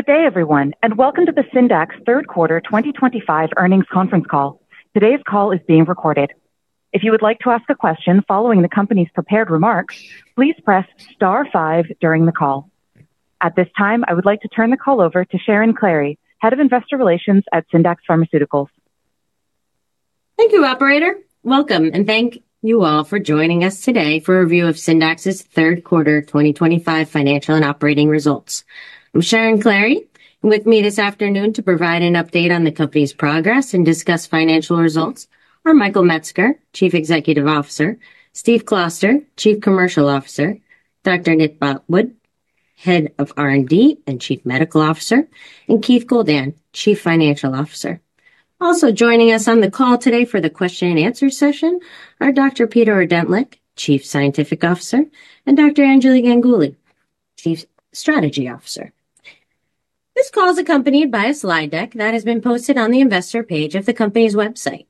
Good day, everyone, and welcome to the Syndax third quarter 2025 earnings conference call. Today's call is being recorded. If you would like to ask a question following the company's prepared remarks, please press star five during the call. At this time, I would like to turn the call over to Sharon Klahre, Head of Investor Relations at Syndax Pharmaceuticals. Thank you, Operator. Welcome, and thank you all for joining us today for a review of Syndax's third quarter 2025 financial and operating results. I'm Sharon Klahre. With me this afternoon to provide an update on the company's progress and discuss financial results are Michael Metzger, Chief Executive Officer, Steve Kloster, Chief Commercial Officer, Dr. Nick Botwood, Head of R&D and Chief Medical Officer, and Keith Goldan, Chief Financial Officer. Also joining us on the call today for the question-and-answer session are Dr. Peter Ordentlich, Chief Scientific Officer, and Dr. Anjali Ganguli, Chief Strategy Officer. This call is accompanied by a slide deck that has been posted on the investor page of the company's website.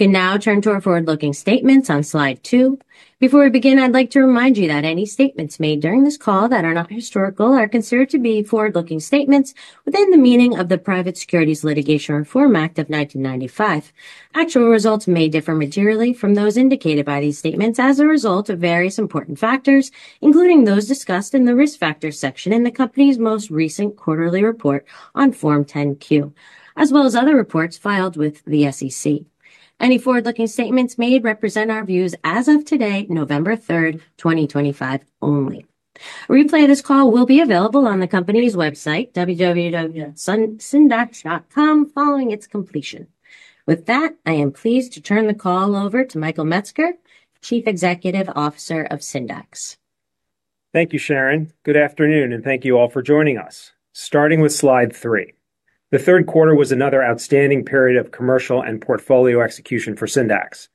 You can now turn to our forward-looking statements on slide two. Before we begin, I'd like to remind you that any statements made during this call that are not historical are considered to be forward-looking statements within the meaning of the Private Securities Litigation Reform Act of 1995. Actual results may differ materially from those indicated by these statements as a result of various important factors, including those discussed in the risk factors section in the company's most recent quarterly report on Form 10-Q, as well as other reports filed with the SEC. Any forward-looking statements made represent our views as of today, November 3, 2025, only. A replay of this call will be available on the company's website, www.syndax.com, following its completion. With that, I am pleased to turn the call over to Michael Metzger, Chief Executive Officer of Syndax. Thank you, Sharon. Good afternoon, and thank you all for joining us. Starting with slide three, the third quarter was another outstanding period of commercial and portfolio execution for Syndax.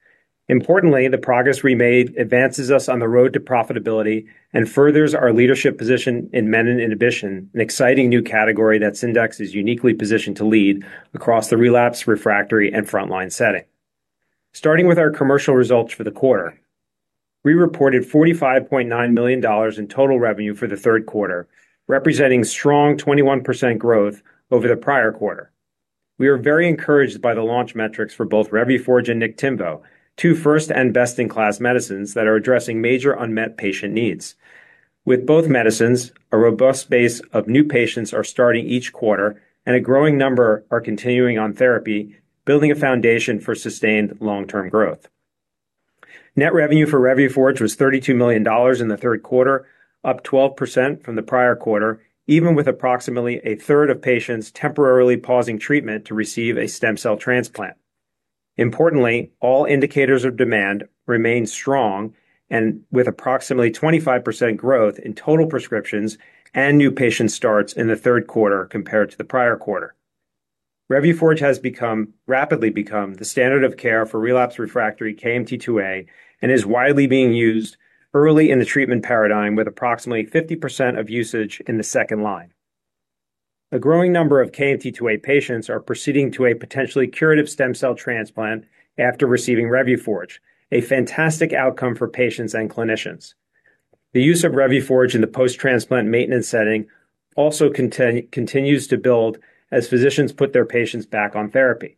Importantly, the progress we made advances us on the road to profitability and furthers our leadership position in menin inhibition, an exciting new category that Syndax is uniquely positioned to lead across the relapsed, refractory, and frontline setting. Starting with our commercial results for the quarter, we reported $45.9 million in total revenue for the third quarter, representing strong 21% growth over the prior quarter. We are very encouraged by the launch metrics for both Revuforj and Niktimvo, two first and best-in-class medicines that are addressing major unmet patient needs. With both medicines, a robust base of new patients are starting each quarter, and a growing number are continuing on therapy, building a foundation for sustained long-term growth. Net revenue for Revuforj was $32 million in the third quarter, up 12% from the prior quarter, even with approximately 1/3 of patients temporarily pausing treatment to receive a stem cell transplant. Importantly, all indicators of demand remain strong and with approximately 25% growth in total prescriptions and new patient starts in the third quarter compared to the prior quarter. Revuforj has rapidly become the standard of care for relapsed refractory KMT2A and is widely being used early in the treatment paradigm with approximately 50% of usage in the second line. A growing number of KMT2A patients are proceeding to a potentially curative stem cell transplant after receiving Revuforj, a fantastic outcome for patients and clinicians. The use of Revuforj in the post-transplant maintenance setting also continues to build as physicians put their patients back on therapy.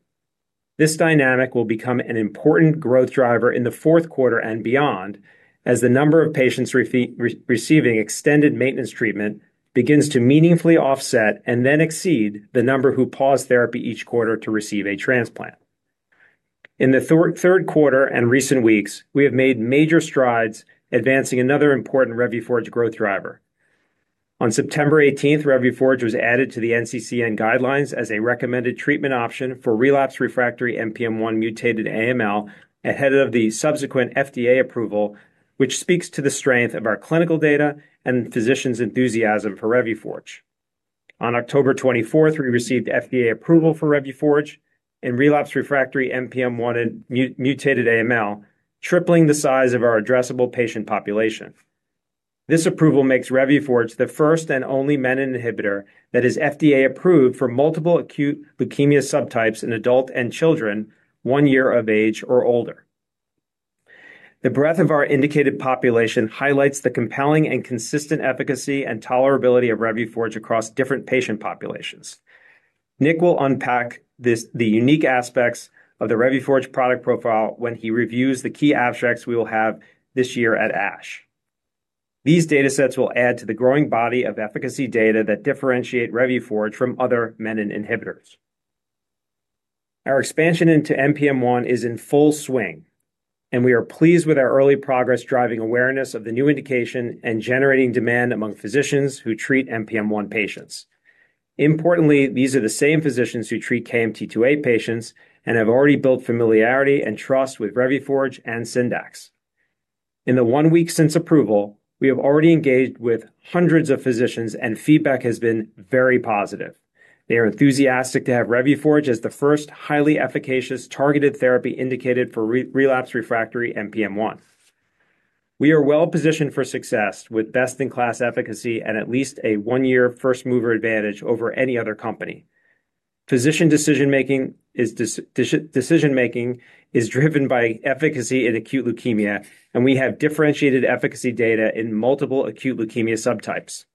This dynamic will become an important growth driver in the fourth quarter and beyond as the number of patients receiving extended maintenance treatment begins to meaningfully offset and then exceed the number who pause therapy each quarter to receive a transplant. In the third quarter and recent weeks, we have made major strides advancing another important Revuforj growth driver. On September 18, Revuforj was added to the NCCN Guidelines as a recommended treatment option for relapsed refractory NPM1 mutated AML ahead of the subsequent FDA approval, which speaks to the strength of our clinical data and physicians' enthusiasm for Revuforj. On October 24, we received FDA approval for Revuforj in relapsed refractory NPM1 mutated AML, tripling the size of our addressable patient population. This approval makes Revuforj the first and only menin inhibitor that is FDA approved for multiple acute leukemia subtypes in adults and children one year of age or older. The breadth of our indicated population highlights the compelling and consistent efficacy and tolerability of Revuforj across different patient populations. Nick will unpack the unique aspects of the Revuforj product profile when he reviews the key abstracts we will have this year at ASH. These datasets will add to the growing body of efficacy data that differentiate Revuforj from other menin inhibitors. Our expansion into NPM1 is in full swing, and we are pleased with our early progress driving awareness of the new indication and generating demand among physicians who treat NPM1 patients. Importantly, these are the same physicians who treat KMT2A patients and have already built familiarity and trust with Revuforj and Syndax. In the one week since approval, we have already engaged with hundreds of physicians, and feedback has been very positive. They are enthusiastic to have Revuforj as the first highly efficacious targeted therapy indicated for relapsed/refractory NPM1. We are well positioned for success with best-in-class efficacy and at least a one-year first-mover advantage over any other company. Physician decision-making is driven by efficacy in acute leukemia, and we have differentiated efficacy data in multiple acute leukemia subtypes.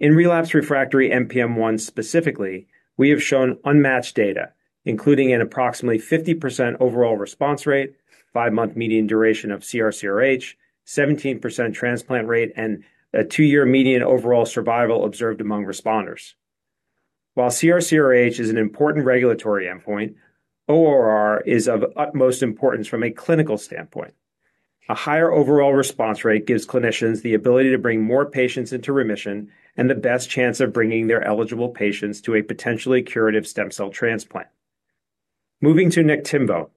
In relapsed/refractory NPM1 specifically, we have shown unmatched data, including an approximately 50% overall response rate, five-month median duration of CR/CRh, 17% transplant rate, and a two-year median overall survival observed among responders. While CR/CRh is an important regulatory endpoint, ORR is of utmost importance from a clinical standpoint. A higher overall response rate gives clinicians the ability to bring more patients into remission and the best chance of bringing their eligible patients to a potentially curative stem cell transplant. Moving to Niktimvo,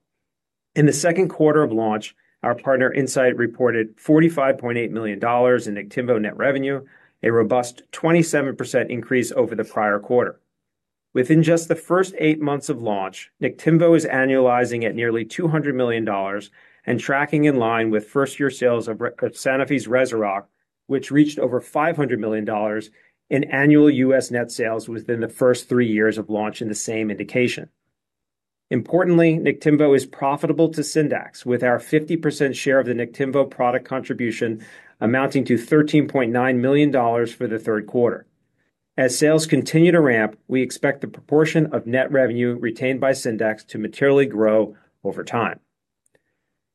in the second quarter of launch, our partner Incyte Corporation reported $45.8 million in Niktimvo net revenue, a robust 27% increase over the prior quarter. Within just the first eight months of launch, Niktimvo is annualizing at nearly $200 million and tracking in line with first-year sales of Sanofi's Rezurock, which reached over $500 million in annual U.S. net sales within the first three years of launch in the same indication. Importantly, Niktimvo is profitable to Syndax with our 50% share of the Niktimvo product contribution amounting to $13.9 million for the third quarter. As sales continue to ramp, we expect the proportion of net revenue retained by Syndax to materially grow over time.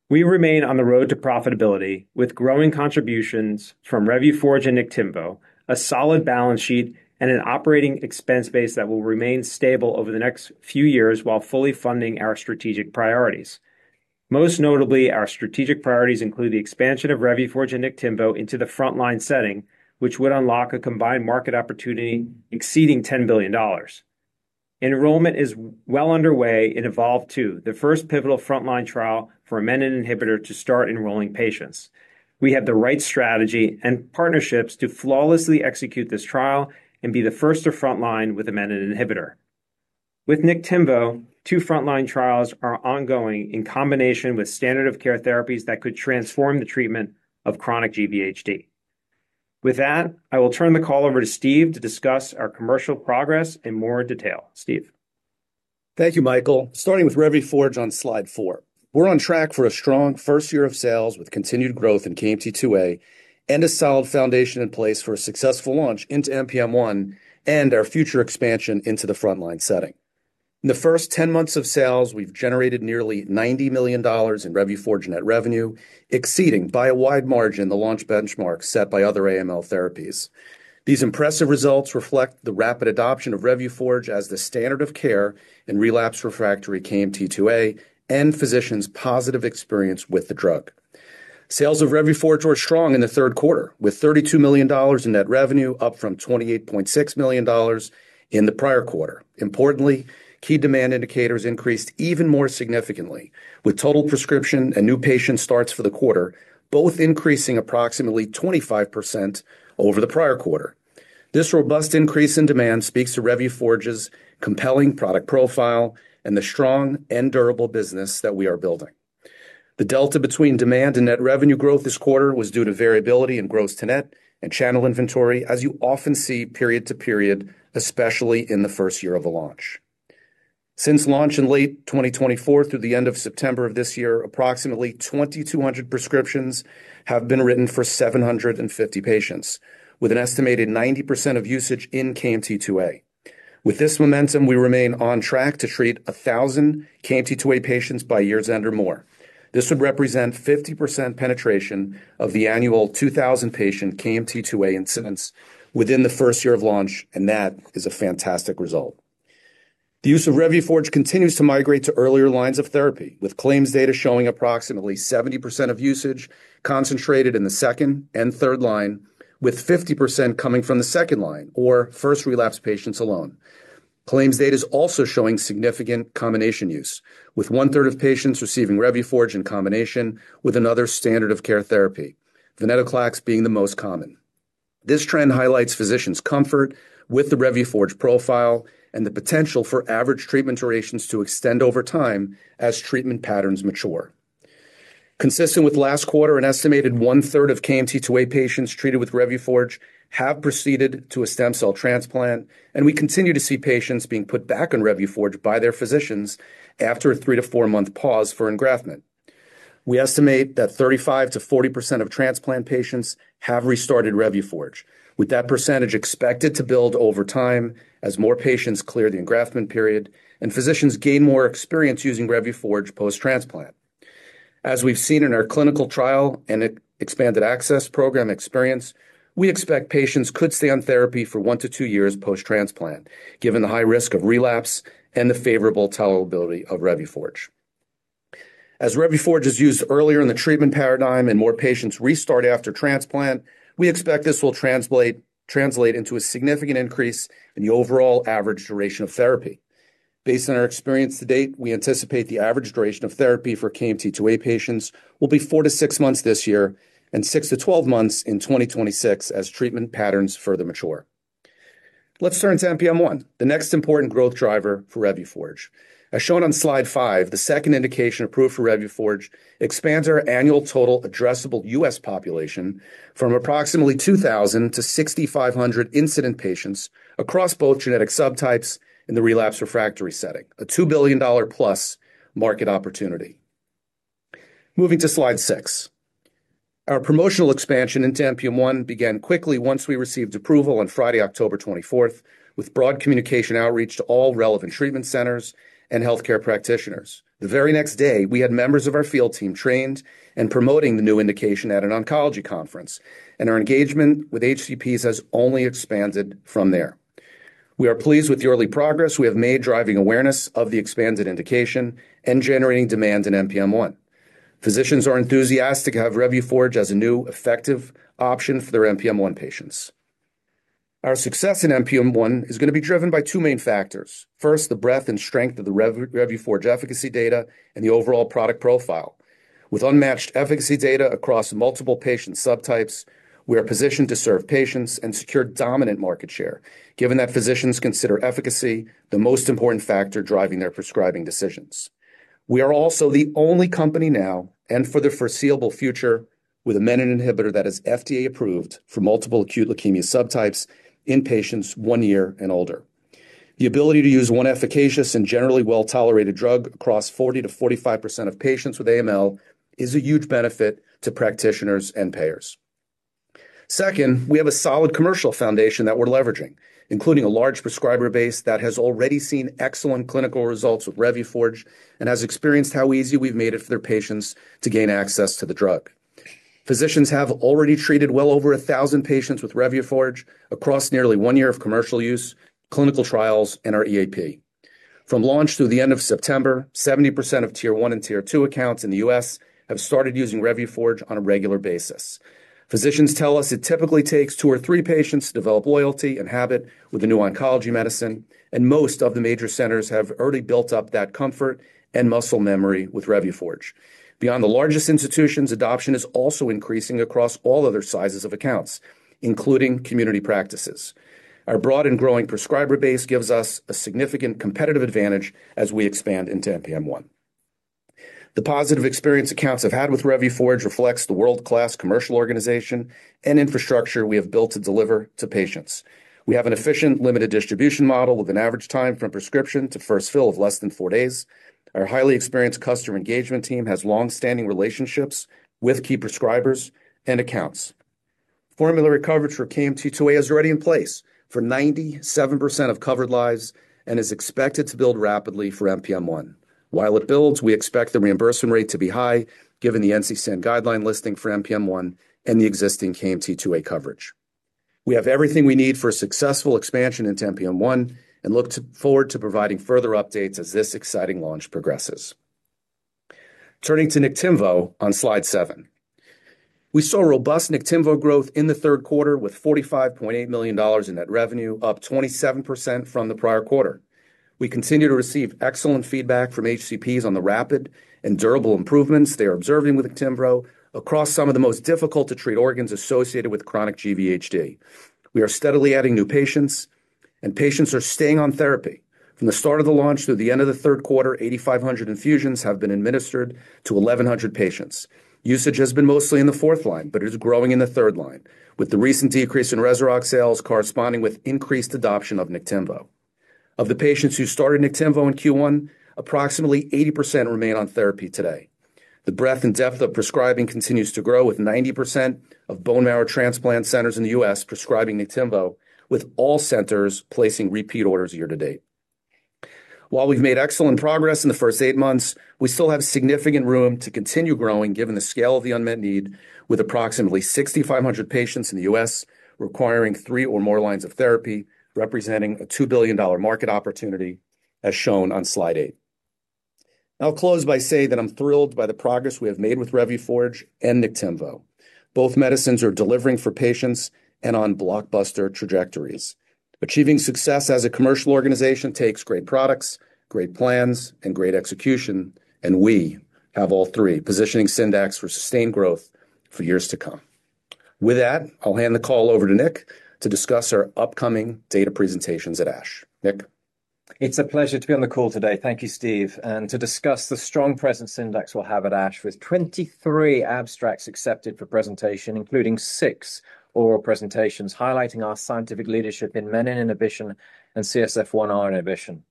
We remain on the road to profitability with growing contributions from Revuforj and Niktimvo, a solid balance sheet, and an operating expense base that will remain stable over the next few years while fully funding our strategic priorities. Most notably, our strategic priorities include the expansion of Revuforj and Niktimvo into the frontline setting, which would unlock a combined market opportunity exceeding $10 billion. Enrollment is well underway in EVOLVE-2, the first pivotal frontline trial for a menin inhibitor to start enrolling patients. We have the right strategy and partnerships to flawlessly execute this trial and be the first to frontline with a menin inhibitor. With Niktimvo, two frontline trials are ongoing in combination with standard-of-care therapies that could transform the treatment of chronic GVHD. With that, I will turn the call over to Steve to discuss our commercial progress in more detail. Steve. Thank you, Michael. Starting with Revuforj on slide four, we're on track for a strong first year of sales with continued growth in KMT2A and a solid foundation in place for a successful launch into NPM1 and our future expansion into the frontline setting. In the first 10 months of sales, we've generated nearly $90 million in Revuforj net revenue, exceeding by a wide margin the launch benchmark set by other AML therapies. These impressive results reflect the rapid adoption of Revuforj as the standard of care in relapsed/refractory KMT2A and physicians' positive experience with the drug. Sales of Revuforj were strong in the third quarter, with $32 million in net revenue, up from $28.6 million in the second quarter. Importantly, key demand indicators increased even more significantly, with total prescription and new patient starts for the quarter both increasing approximately 25% over the second quarter. This robust increase in demand speaks to Revuforj's compelling product profile and the strong and durable business that we are building. The delta between demand and net revenue growth this quarter was due to variability in gross to net and channel inventory, as you often see period to period, especially in the first year of the launch. Since launch in late 2024 through the end of September of this year, approximately 2,200 prescriptions have been written for 750 patients, with an estimated 90% of usage in KMT2A. With this momentum, we remain on track to treat 1,000 KMT2A patients by year's end or more. This would represent 50% penetration of the annual 2,000-patient KMT2A incidence within the first year of launch, and that is a fantastic result. The use of Revuforj continues to migrate to earlier lines of therapy, with claims data showing approximately 70% of usage concentrated in the second and third line, with 50% coming from the second line or first relapse patients alone. Claims data is also showing significant combination use, with one-third of patients receiving Revuforj in combination with another standard-of-care therapy, venetoclax being the most common. This trend highlights physicians' comfort with the Revuforj profile and the potential for average treatment durations to extend over time as treatment patterns mature. Consistent with last quarter, an estimated one-third of KMT2A patients treated with Revuforj have proceeded to a stem cell transplant, and we continue to see patients being put back on Revuforj by their physicians after a three to four-month pause for engraftment. We estimate that 35%-40% of transplant patients have restarted Revuforj, with that percentage expected to build over time as more patients clear the engraftment period and physicians gain more experience using Revuforj post-transplant. As we've seen in our clinical trial and expanded access program experience, we expect patients could stay on therapy for one to two years post-transplant, given the high risk of relapse and the favorable tolerability of Revuforj. As Revuforj is used earlier in the treatment paradigm and more patients restart after transplant, we expect this will translate. Into a significant increase in the overall average duration of therapy. Based on our experience to date, we anticipate the average duration of therapy for KMT2A patients will be four to six months this year and six to twelve months in 2026 as treatment patterns further mature. Let's turn to NPM1, the next important growth driver for Revuforj. As shown on slide five, the second indication approved for Revuforj expands our annual total addressable U.S. population from approximately 2,000 to 6,500 incident patients across both genetic subtypes in the relapsed/refractory setting, a $2 billion+ market opportunity. Moving to slide six. Our promotional expansion into NPM1 began quickly once we received approval on Friday, October 24, with broad communication outreach to all relevant treatment centers and healthcare practitioners. The very next day, we had members of our field team trained and promoting the new indication at an oncology conference, and our engagement with HCPs has only expanded from there. We are pleased with the early progress we have made driving awareness of the expanded indication and generating demand in NPM1. Physicians are enthusiastic to have Revuforj as a new effective option for their NPM1 patients. Our success in NPM1 is going to be driven by two main factors: first, the breadth and strength of the Revuforj efficacy data and the overall product profile. With unmatched efficacy data across multiple patient subtypes, we are positioned to serve patients and secure dominant market share, given that physicians consider efficacy the most important factor driving their prescribing decisions. We are also the only company now and for the foreseeable future with a menin inhibitor that is FDA approved for multiple acute leukemia subtypes in patients one year and older. The ability to use one efficacious and generally well-tolerated drug across 40%-45% of patients with AML is a huge benefit to practitioners and payers. Second, we have a solid commercial foundation that we're leveraging, including a large prescriber base that has already seen excellent clinical results with Revuforj and has experienced how easy we've made it for their patients to gain access to the drug. Physicians have already treated well over 1,000 patients with Revuforj across nearly one year of commercial use, clinical trials, and our EAP. From launch through the end of September, 70% of tier one and tier two accounts in the U.S. have started using Revuforj on a regular basis. Physicians tell us it typically takes two or three patients to develop loyalty and habit with a new oncology medicine, and most of the major centers have already built up that comfort and muscle memory with Revuforj. Beyond the largest institutions, adoption is also increasing across all other sizes of accounts, including community practices. Our broad and growing prescriber base gives us a significant competitive advantage as we expand into NPM1. The positive experience accounts have had with Revuforj reflects the world-class commercial organization and infrastructure we have built to deliver to patients. We have an efficient limited distribution model with an average time from prescription to first fill of less than four days. Our highly experienced customer engagement team has long-standing relationships with key prescribers and accounts. Formulary coverage for KMT2A is already in place for 97% of covered lives and is expected to build rapidly for NPM1. While it builds, we expect the reimbursement rate to be high, given the NCCN guideline listing for NPM1 and the existing KMT2A coverage. We have everything we need for a successful expansion into NPM1 and look forward to providing further updates as this exciting launch progresses. Turning to Niktimvo on slide seven, we saw robust Niktimvo growth in the third quarter with $45.8 million in net revenue, up 27% from the prior quarter. We continue to receive excellent feedback from HCPs on the rapid and durable improvements they are observing with Niktimvo across some of the most difficult-to-treat organs associated with chronic GVHD. We are steadily adding new patients, and patients are staying on therapy. From the start of the launch through the end of the third quarter, 8,500 infusions have been administered to 1,100 patients. Usage has been mostly in the fourth line, but it is growing in the third line, with the recent decrease in Rezurock sales corresponding with increased adoption of Niktimvo. Of the patients who started Niktimvo in Q1, approximately 80% remain on therapy today. The breadth and depth of prescribing continues to grow, with 90% of bone marrow transplant centers in the U.S. prescribing Niktimvo, with all centers placing repeat orders year to date. While we've made excellent progress in the first eight months, we still have significant room to continue growing, given the scale of the unmet need, with approximately 6,500 patients in the U.S. requiring three or more lines of therapy, representing a $2 billion market opportunity, as shown on slide eight. I'll close by saying that I'm thrilled by the progress we have made with Revuforj and Niktimvo. Both medicines are delivering for patients and on blockbuster trajectories. Achieving success as a commercial organization takes great products, great plans, and great execution, and we have all three positioning Syndax for sustained growth for years to come. With that, I'll hand the call over to Nick to discuss our upcoming data presentations at ASH. Nick. It's a pleasure to be on the call today. Thank you, Steve. To discuss the strong presence Syndax will have at ASH with 23 abstracts accepted for presentation, including six oral presentations highlighting our scientific leadership in menin inhibition and CSF1R inhibition.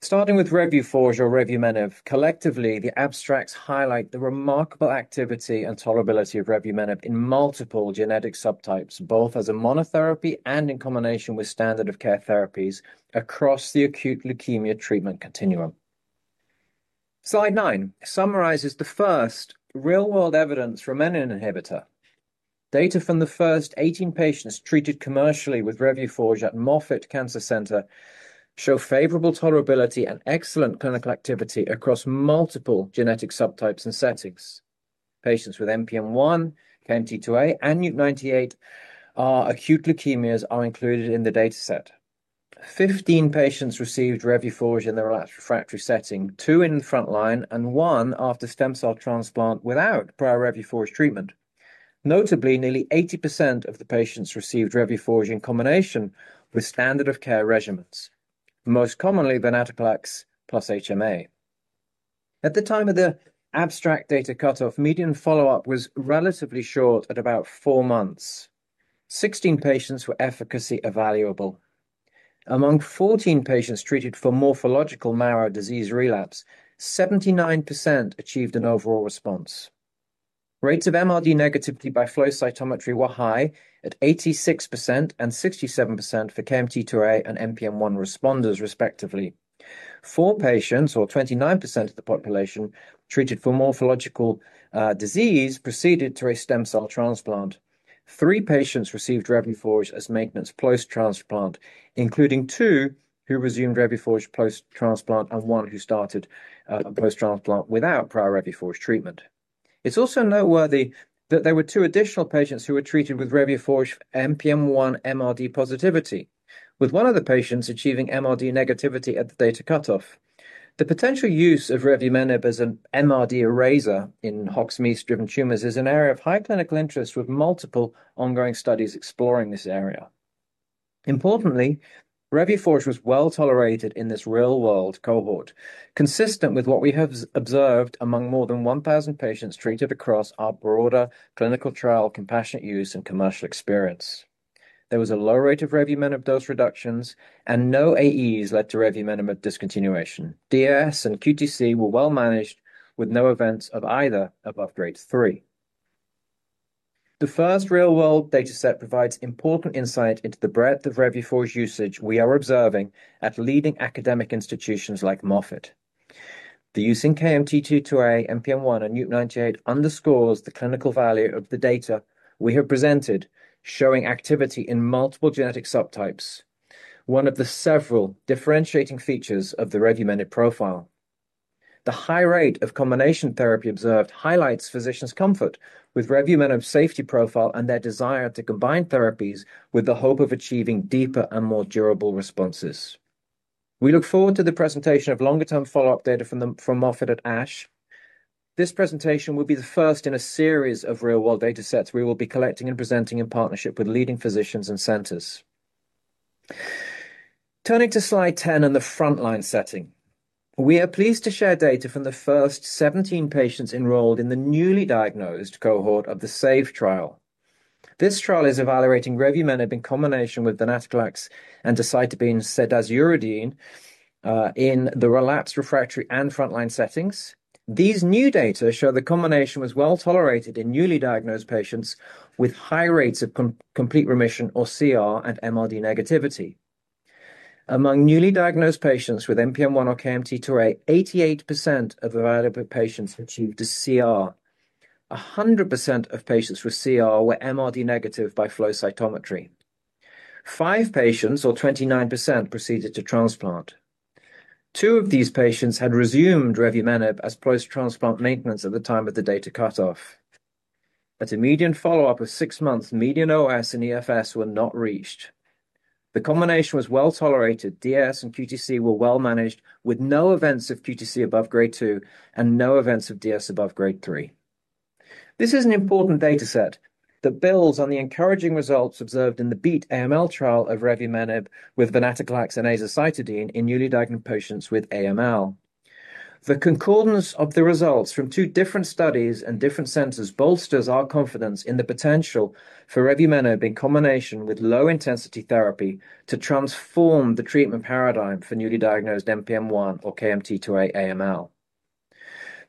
Starting with Revuforj or revumenib, collectively, the abstracts highlight the remarkable activity and tolerability of revumenib in multiple genetic subtypes, both as a monotherapy and in combination with standard-of-care therapies across the acute leukemia treatment continuum. Slide nine summarizes the first real-world evidence for menin inhibitor. Data from the first 18 patients treated commercially with Revuforj at Moffitt Cancer Center show favorable tolerability and excellent clinical activity across multiple genetic subtypes and settings. Patients with NPM1, KMT2A, and NUP98 acute leukemias are included in the dataset. Fifteen patients received Revuforj in the relapsed/refractory setting, two in the frontline, and one after stem cell transplant without prior Revuforj treatment. Notably, nearly 80% of the patients received Revuforj in combination with standard-of-care regimens, most commonly venetoclax plus HMA. At the time of the abstract data cutoff, median follow-up was relatively short at about four months. Sixteen patients were efficacy evaluable. Among 14 patients treated for morphological marrow disease relapse, 79% achieved an overall response. Rates of MRD negativity by flow cytometry were high at 86% and 67% for KMT2A and NPM1 responders, respectively. Four patients, or 29% of the population, treated for morphological disease proceeded to a stem cell transplant. Three patients received Revuforj as maintenance post-transplant, including two who resumed Revuforj post-transplant and one who started post-transplant without prior Revuforj treatment. It's also noteworthy that there were two additional patients who were treated with Revuforj NPM1 MRD positivity, with one of the patients achieving MRD negativity at the data cutoff. The potential use of revumenib as an MRD eraser in HOX/MEIS-driven tumors is an area of high clinical interest, with multiple ongoing studies exploring this area. Importantly, Revuforj was well tolerated in this real-world cohort, consistent with what we have observed among more than 1,000 patients treated across our broader clinical trial, compassionate use, and commercial experience. There was a low rate of revumenib dose reductions, and no AEs led to revumenib discontinuation. DS and QTc were well managed, with no events of either above grade three. The first real-world dataset provides important insight into the breadth of Revuforj usage we are observing at leading academic institutions like Moffitt. The use in KMT2A, NPM1, and NUP98 underscores the clinical value of the data we have presented, showing activity in multiple genetic subtypes, one of the several differentiating features of the revumenib profile. The high rate of combination therapy observed highlights physicians' comfort with revumenib safety profile and their desire to combine therapies with the hope of achieving deeper and more durable responses. We look forward to the presentation of longer-term follow-up data from Moffitt at ASH. This presentation will be the first in a series of real-world datasets we will be collecting and presenting in partnership with leading physicians and centers. Turning to slide ten and the frontline setting, we are pleased to share data from the first 17 patients enrolled in the newly diagnosed cohort of the SAVE trial. This trial is evaluating revumenib in combination with venetoclax and decitabine/cedazuridine in the relapsed/refractory and frontline settings. These new data show the combination was well tolerated in newly diagnosed patients with high rates of complete remission or CR and MRD negativity. Among newly diagnosed patients with NPM1 or KMT2A, 88% of evaluated patients achieved a CR. 100% of patients with CR were MRD negative by flow cytometry. Five patients, or 29%, proceeded to transplant. Two of these patients had resumed revumenib as post-transplant maintenance at the time of the data cutoff. At a median follow-up of six months, median OS and EFS were not reached. The combination was well tolerated. DS and QTc were well managed, with no events of QTc above grade two and no events of DS above grade three. This is an important dataset that builds on the encouraging results observed in the Beat AML trial of revumenib with venetoclax and azacitidine in newly diagnosed patients with AML. The concordance of the results from two different studies and different centers bolsters our confidence in the potential for revumenib in combination with low-intensity therapy to transform the treatment paradigm for newly diagnosed NPM1 or KMT2A AML.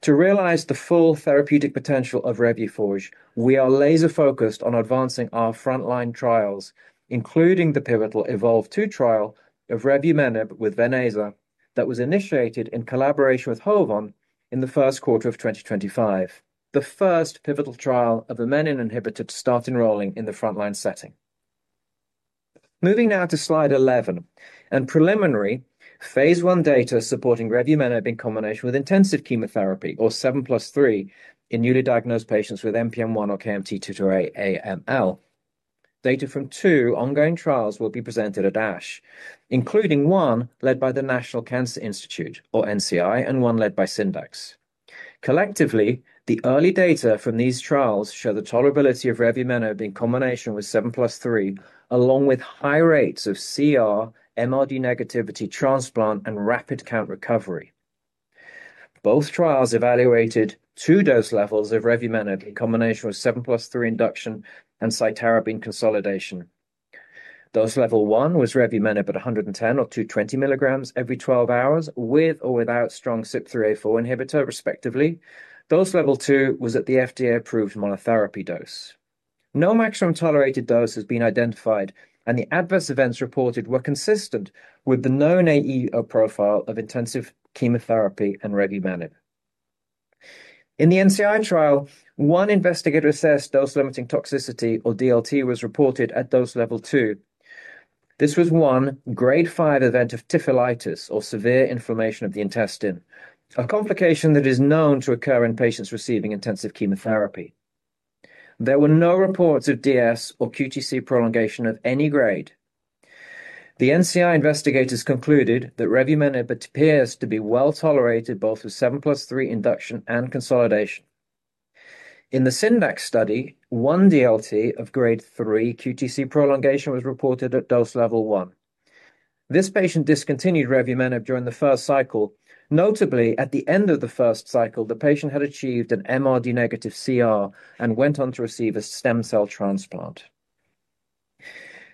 To realize the full therapeutic potential of Revuforj, we are laser-focused on advancing our frontline trials, including the pivotal EVOLVE-2 trial of revumenib with Venclexta that was initiated in collaboration with HOVON in the first quarter of 2025, the first pivotal trial of a menin inhibitor to start enrolling in the frontline setting. Moving now to slide 11 and preliminary phase one data supporting Revuforj in combination with intensive chemotherapy, or 7+3, in newly diagnosed patients with NPM1 or KMT2A AML. Data from two ongoing trials will be presented at ASH, including one led by the National Cancer Institute, or NCI, and one led by Syndax. Collectively, the early data from these trials show the tolerability of revumenib in combination with 7+3, along with high rates of CR, MRD negativity, transplant, and rapid count recovery. Both trials evaluated two dose levels of revumenib in combination with 7+3 induction and cytarabine consolidation. Dose level one was revumenib at 110 or 220 mg every 12 hours with or without strong CYP3A4 inhibitor, respectively. Dose level two was at the FDA-approved monotherapy dose. No maximum tolerated dose has been identified, and the adverse events reported were consistent with the known AE profile of intensive chemotherapy and revumenib. In the NCI trial, one investigator-assessed dose-limiting toxicity, or DLT, was reported at dose level two. This was one grade five event of typhlitis, or severe inflammation of the intestine, a complication that is known to occur in patients receiving intensive chemotherapy. There were no reports of DS or QTc prolongation of any grade. The NCI investigators concluded that revumenib appears to be well tolerated both with 7+3 induction and consolidation. In the Syndax study, one DLT of grade three QTc prolongation was reported at dose level one. This patient discontinued revumenib during the first cycle. Notably, at the end of the first cycle, the patient had achieved an MRD negative CR and went on to receive a stem cell transplant.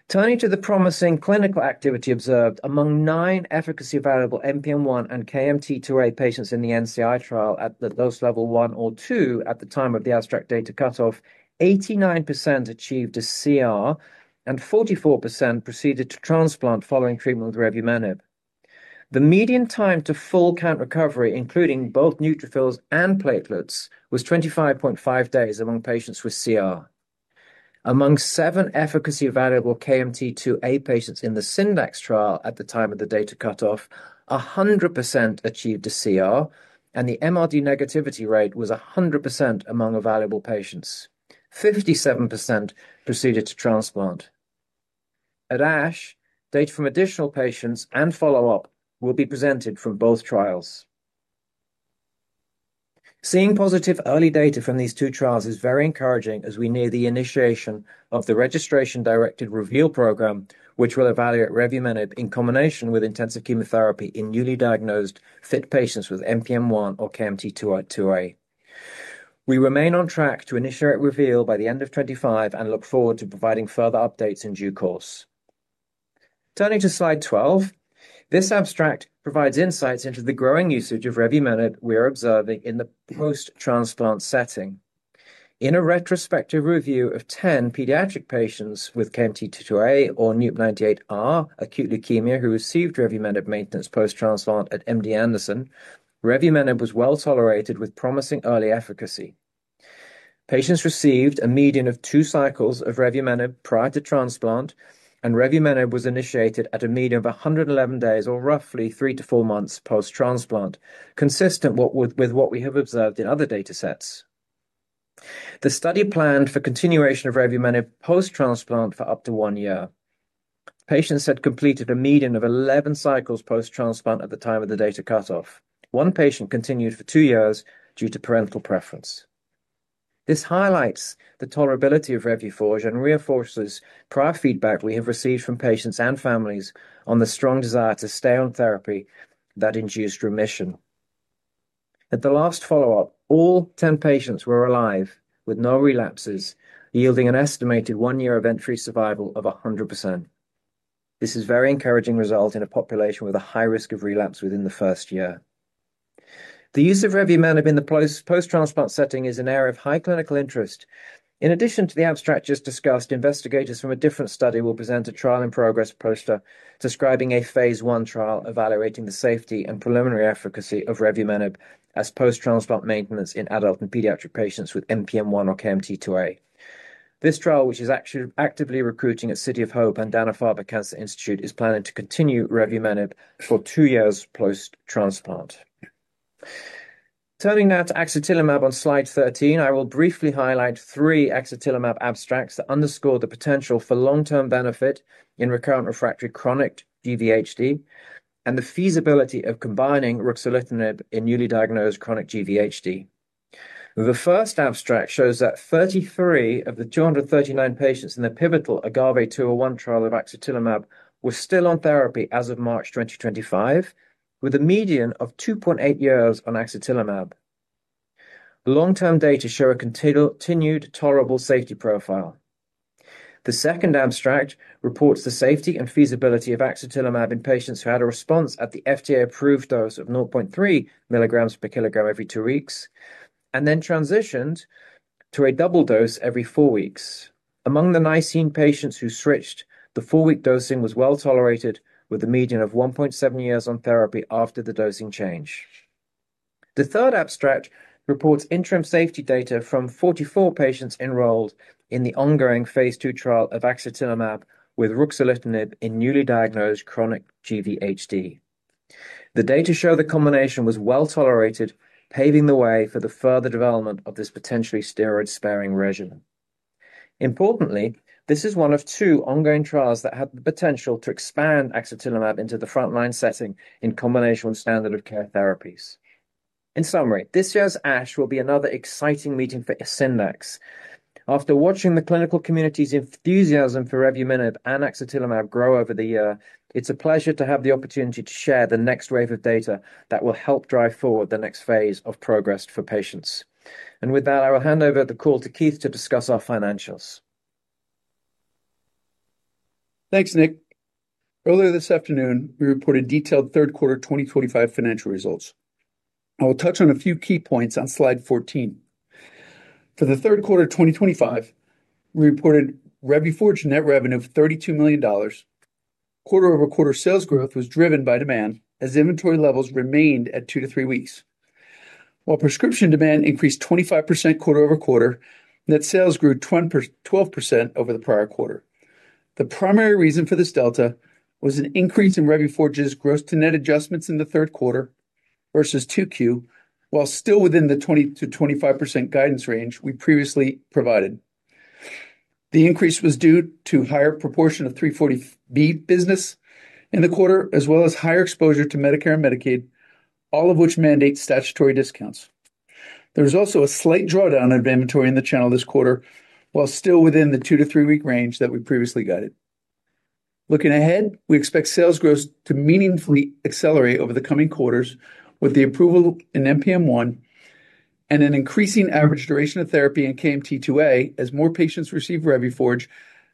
Turning to the promising clinical activity observed among nine efficacy evaluable NPM1 and KMT2A patients in the NCI trial at dose level one or two at the time of the abstract data cutoff, 89% achieved a CR and 44% proceeded to transplant following treatment with Revuforj. The median time to full count recovery, including both neutrophils and platelets, was 25.5 days among patients with CR. Among seven efficacy evaluable KMT2A patients in the Syndax trial at the time of the data cutoff, 100% achieved a CR, and the MRD negativity rate was 100% among evaluable patients. 57% proceeded to transplant. At ASH, data from additional patients and follow-up will be presented from both trials. Seeing positive early data from these two trials is very encouraging as we near the initiation of the registration-directed Revuforj program, which will evaluate revumenib in combination with intensive chemotherapy in newly diagnosed fit patients with NPM1 or KMT2A. We remain on track to initiate Revuforj by the end of 2025 and look forward to providing further updates in due course. Turning to slide 12, this abstract provides insights into the growing usage of revumenib we are observing in the post-transplant setting. In a retrospective review of 10 pediatric patients with KMT2A or NUP98R acute leukemia who received revumenib maintenance post-transplant at MD Anderson, revumenib was well tolerated with promising early efficacy. Patients received a median of two cycles of revumenib prior to transplant, and revumenib was initiated at a median of 111 days, or roughly three to four months post-transplant, consistent with what we have observed in other datasets. The study planned for continuation of revumenib post-transplant for up to one year. Patients had completed a median of 11 cycles post-transplant at the time of the data cutoff. One patient continued for two years due to parental preference. This highlights the tolerability of Revuforj and reinforces prior feedback we have received from patients and families on the strong desire to stay on therapy that induced remission. At the last follow-up, all 10 patients were alive with no relapses, yielding an estimated one year event-free survival of 100%. This is a very encouraging result in a population with a high risk of relapse within the first year. The use of revumenib in the post-transplant setting is an area of high clinical interest. In addition to the abstract just discussed, investigators from a different study will present a trial-in-progress poster describing a phase one trial evaluating the safety and preliminary efficacy of revumenib as post-transplant maintenance in adult and pediatric patients with NPM1 or KMT2A. This trial, which is actually actively recruiting at City of Hope and Dana-Farber Cancer Institute, is planning to continue revumenib for two years post-transplant. Turning now to axatilimab on slide 13, I will briefly highlight three axatilimab abstracts that underscore the potential for long-term benefit in relapsed/refractory chronic GVHD and the feasibility of combining ruxolitinib in newly diagnosed chronic GVHD. The first abstract shows that 33 of the 239 patients in the pivotal AGAVE-201 trial of axatilimab were still on therapy as of March 2025, with a median of 2.8 years on axatilimab. Long-term data show a continued tolerable safety profile. The second abstract reports the safety and feasibility of axatilimab in patients who had a response at the FDA-approved dose of 0.3 milligrams per kilogram every two weeks and then transitioned to a double dose every four weeks. Among the nine patients who switched, the four-week dosing was well tolerated with a median of 1.7 years on therapy after the dosing change. The third abstract reports interim safety data from 44 patients enrolled in the ongoing phase two trial of axatilimab with ruxolitinib in newly diagnosed chronic GVHD. The data show the combination was well tolerated, paving the way for the further development of this potentially steroid-sparing regimen. Importantly, this is one of two ongoing trials that have the potential to expand axatilimab into the frontline setting in combination with standard of care therapies. In summary, this year's ASH will be another exciting meeting for Syndax. After watching the clinical community's enthusiasm for revumenib and axatilimab grow over the year, it's a pleasure to have the opportunity to share the next wave of data that will help drive forward the next phase of progress for patients. With that, I will hand over the call to Keith to discuss our financials. Thanks, Nick. Earlier this afternoon, we reported detailed third quarter 2025 financial results. I will touch on a few key points on slide 14. For the third quarter 2025, we reported Revuforj net revenue of $32 million. Quarter-over-quarter sales growth was driven by demand as inventory levels remained at two to three weeks. While prescription demand increased 25% quarter-over-quarter, net sales grew 12% over the prior quarter. The primary reason for this delta was an increase in Revuforj's gross to net adjustments in the third quarter versus second quarter, while still within the 20%-25% guidance range we previously provided. The increase was due to a higher proportion of 340B business in the quarter, as well as higher exposure to Medicare and Medicaid, all of which mandate statutory discounts. There was also a slight drawdown in inventory in the channel this quarter, while still within the two to three-week range that we previously guided. Looking ahead, we expect sales growth to meaningfully accelerate over the coming quarters with the approval in NPM1. An increasing average duration of therapy in KMT2A as more patients receive Revuforj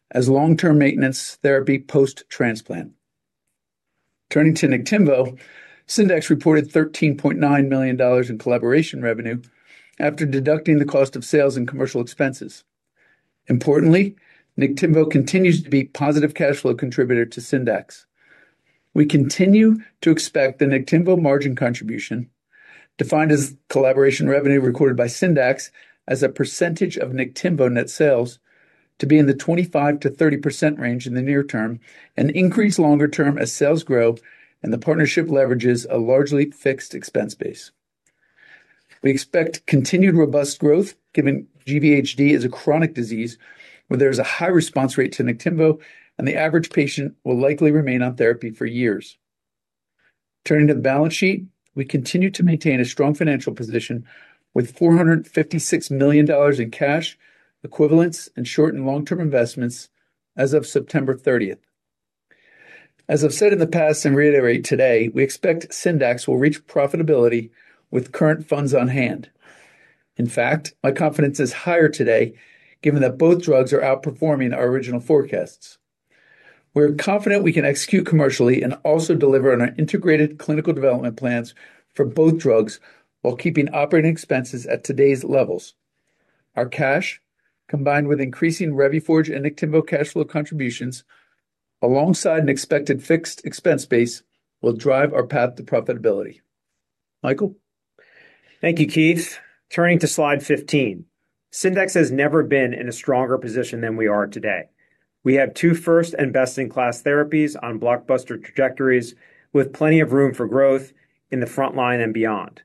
as long-term maintenance therapy post-transplant. Turning to Niktimvo, Syndax reported $13.9 million in collaboration revenue after deducting the cost of sales and commercial expenses. Importantly, Niktimvo continues to be a positive cash flow contributor to Syndax. We continue to expect the Niktimvo margin contribution defined as collaboration revenue recorded by Syndax as a percentage of Niktimvo net sales to be in the 25%-30% range in the near term and increase longer term as sales grow and the partnership leverages a largely fixed expense base. We expect continued robust growth given GVHD is a chronic disease where there is a high response rate to Niktimvo and the average patient will likely remain on therapy for years. Turning to the balance sheet, we continue to maintain a strong financial position with $456 million in cash equivalents and short and long-term investments as of September 30th. As I've said in the past and reiterate today, we expect Syndax will reach profitability with current funds on hand. In fact, my confidence is higher today given that both drugs are outperforming our original forecasts. We're confident we can execute commercially and also deliver on our integrated clinical development plans for both drugs while keeping operating expenses at today's levels. Our cash, combined with increasing Revuforj and Niktimvo cash flow contributions, alongside an expected fixed expense base, will drive our path to profitability. Michael. Thank you, Keith. Turning to slide 15, Syndax has never been in a stronger position than we are today. We have two first and best-in-class therapies on blockbuster trajectories with plenty of room for growth in the frontline and beyond.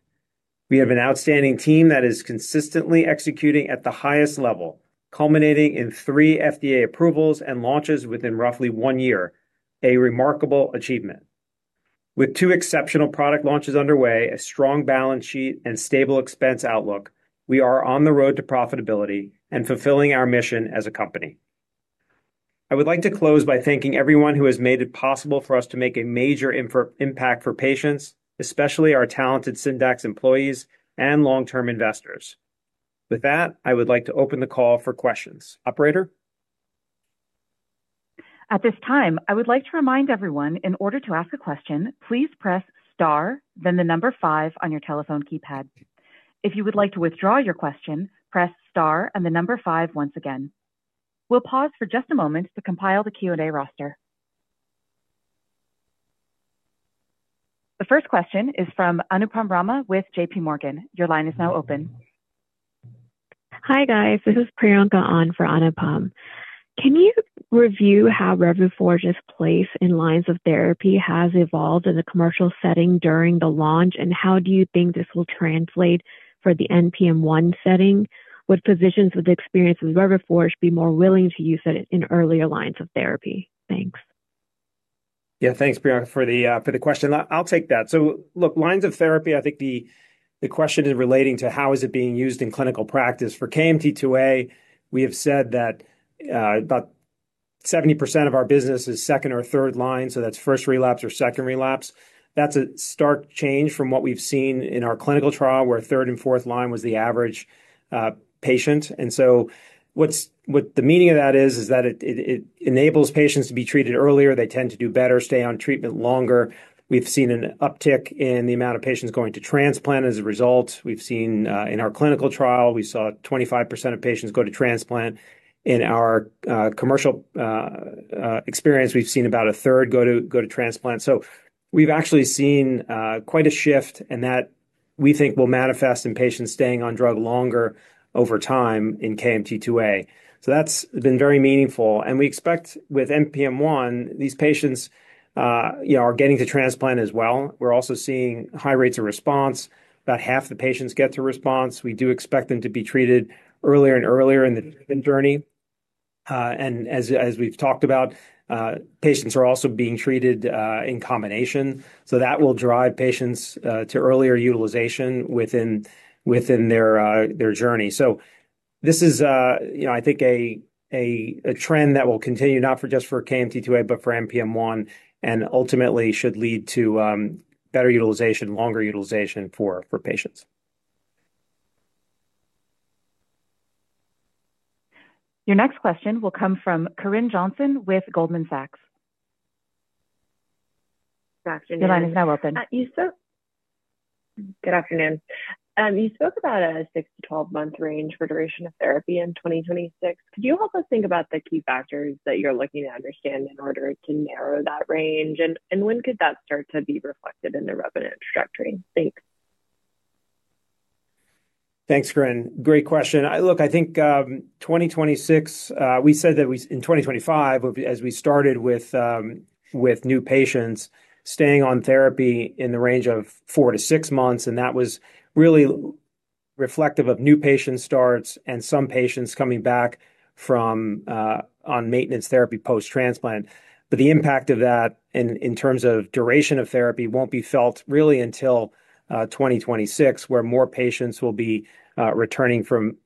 We have an outstanding team that is consistently executing at the highest level, culminating in three FDA approvals and launches within roughly one year, a remarkable achievement. With two exceptional product launches underway, a strong balance sheet, and a stable expense outlook, we are on the road to profitability and fulfilling our mission as a company. I would like to close by thanking everyone who has made it possible for us to make a major impact for patients, especially our talented Syndax employees and long-term investors. With that, I would like to open the call for questions. Operator. At this time, I would like to remind everyone, in order to ask a question, please press star, then the number five on your telephone keypad. If you would like to withdraw your question, press star and the number five once again. We'll pause for just a moment to compile the Q&A roster. The first question is from Anupam Rama with JPMorgan. Your line is now open. Hi guys, this is Priyanka on for Anupam. Can you review how Revuforj's place in lines of therapy has evolved in the commercial setting during the launch and how do you think this will translate for the NPM1 setting? Would physicians with experience with Revuforj be more willing to use it in earlier lines of therapy? Thanks. Yeah, thanks, Priyanka, for the question. I'll take that. Look, lines of therapy, I think the question is relating to how is it being used in clinical practice. For KMT2A, we have said that about 70% of our business is second or third line, so that's first relapse or second relapse. That's a stark change from what we've seen in our clinical trial where third and fourth line was the average patient. What the meaning of that is, is that it enables patients to be treated earlier, they tend to do better, stay on treatment longer. We've seen an uptick in the amount of patients going to transplant as a result. We've seen in our clinical trial, we saw 25% of patients go to transplant. In our commercial experience, we've seen about a third go to transplant. We've actually seen quite a shift and that we think will manifest in patients staying on drug longer over time in KMT2A. That's been very meaningful. We expect with NPM1, these patients are getting to transplant as well. We're also seeing high rates of response. About half the patients get to response. We do expect them to be treated earlier and earlier in the treatment journey. As we've talked about, patients are also being treated in combination. That will drive patients to earlier utilization within their journey. This is, I think, a trend that will continue not just for KMT2A, but for NPM1 and ultimately should lead to better utilization, longer utilization for patients. Your next question will come from Corinne Johnson with Goldman Sachs. Your line is now open. Good afternoon. You spoke about a six- to 12-month range for duration of therapy in 2026. Could you help us think about the key factors that you're looking to understand in order to narrow that range? When could that start to be reflected in the revenue trajectory? Thanks. Thanks, Corinne. Great question. I think 2026, we said that in 2025, as we started with new patients, staying on therapy in the range of four to six months, and that was really reflective of new patient starts and some patients coming back from on maintenance therapy post-transplant. The impact of that in terms of duration of therapy won't be felt really until 2026, where more patients will be returning from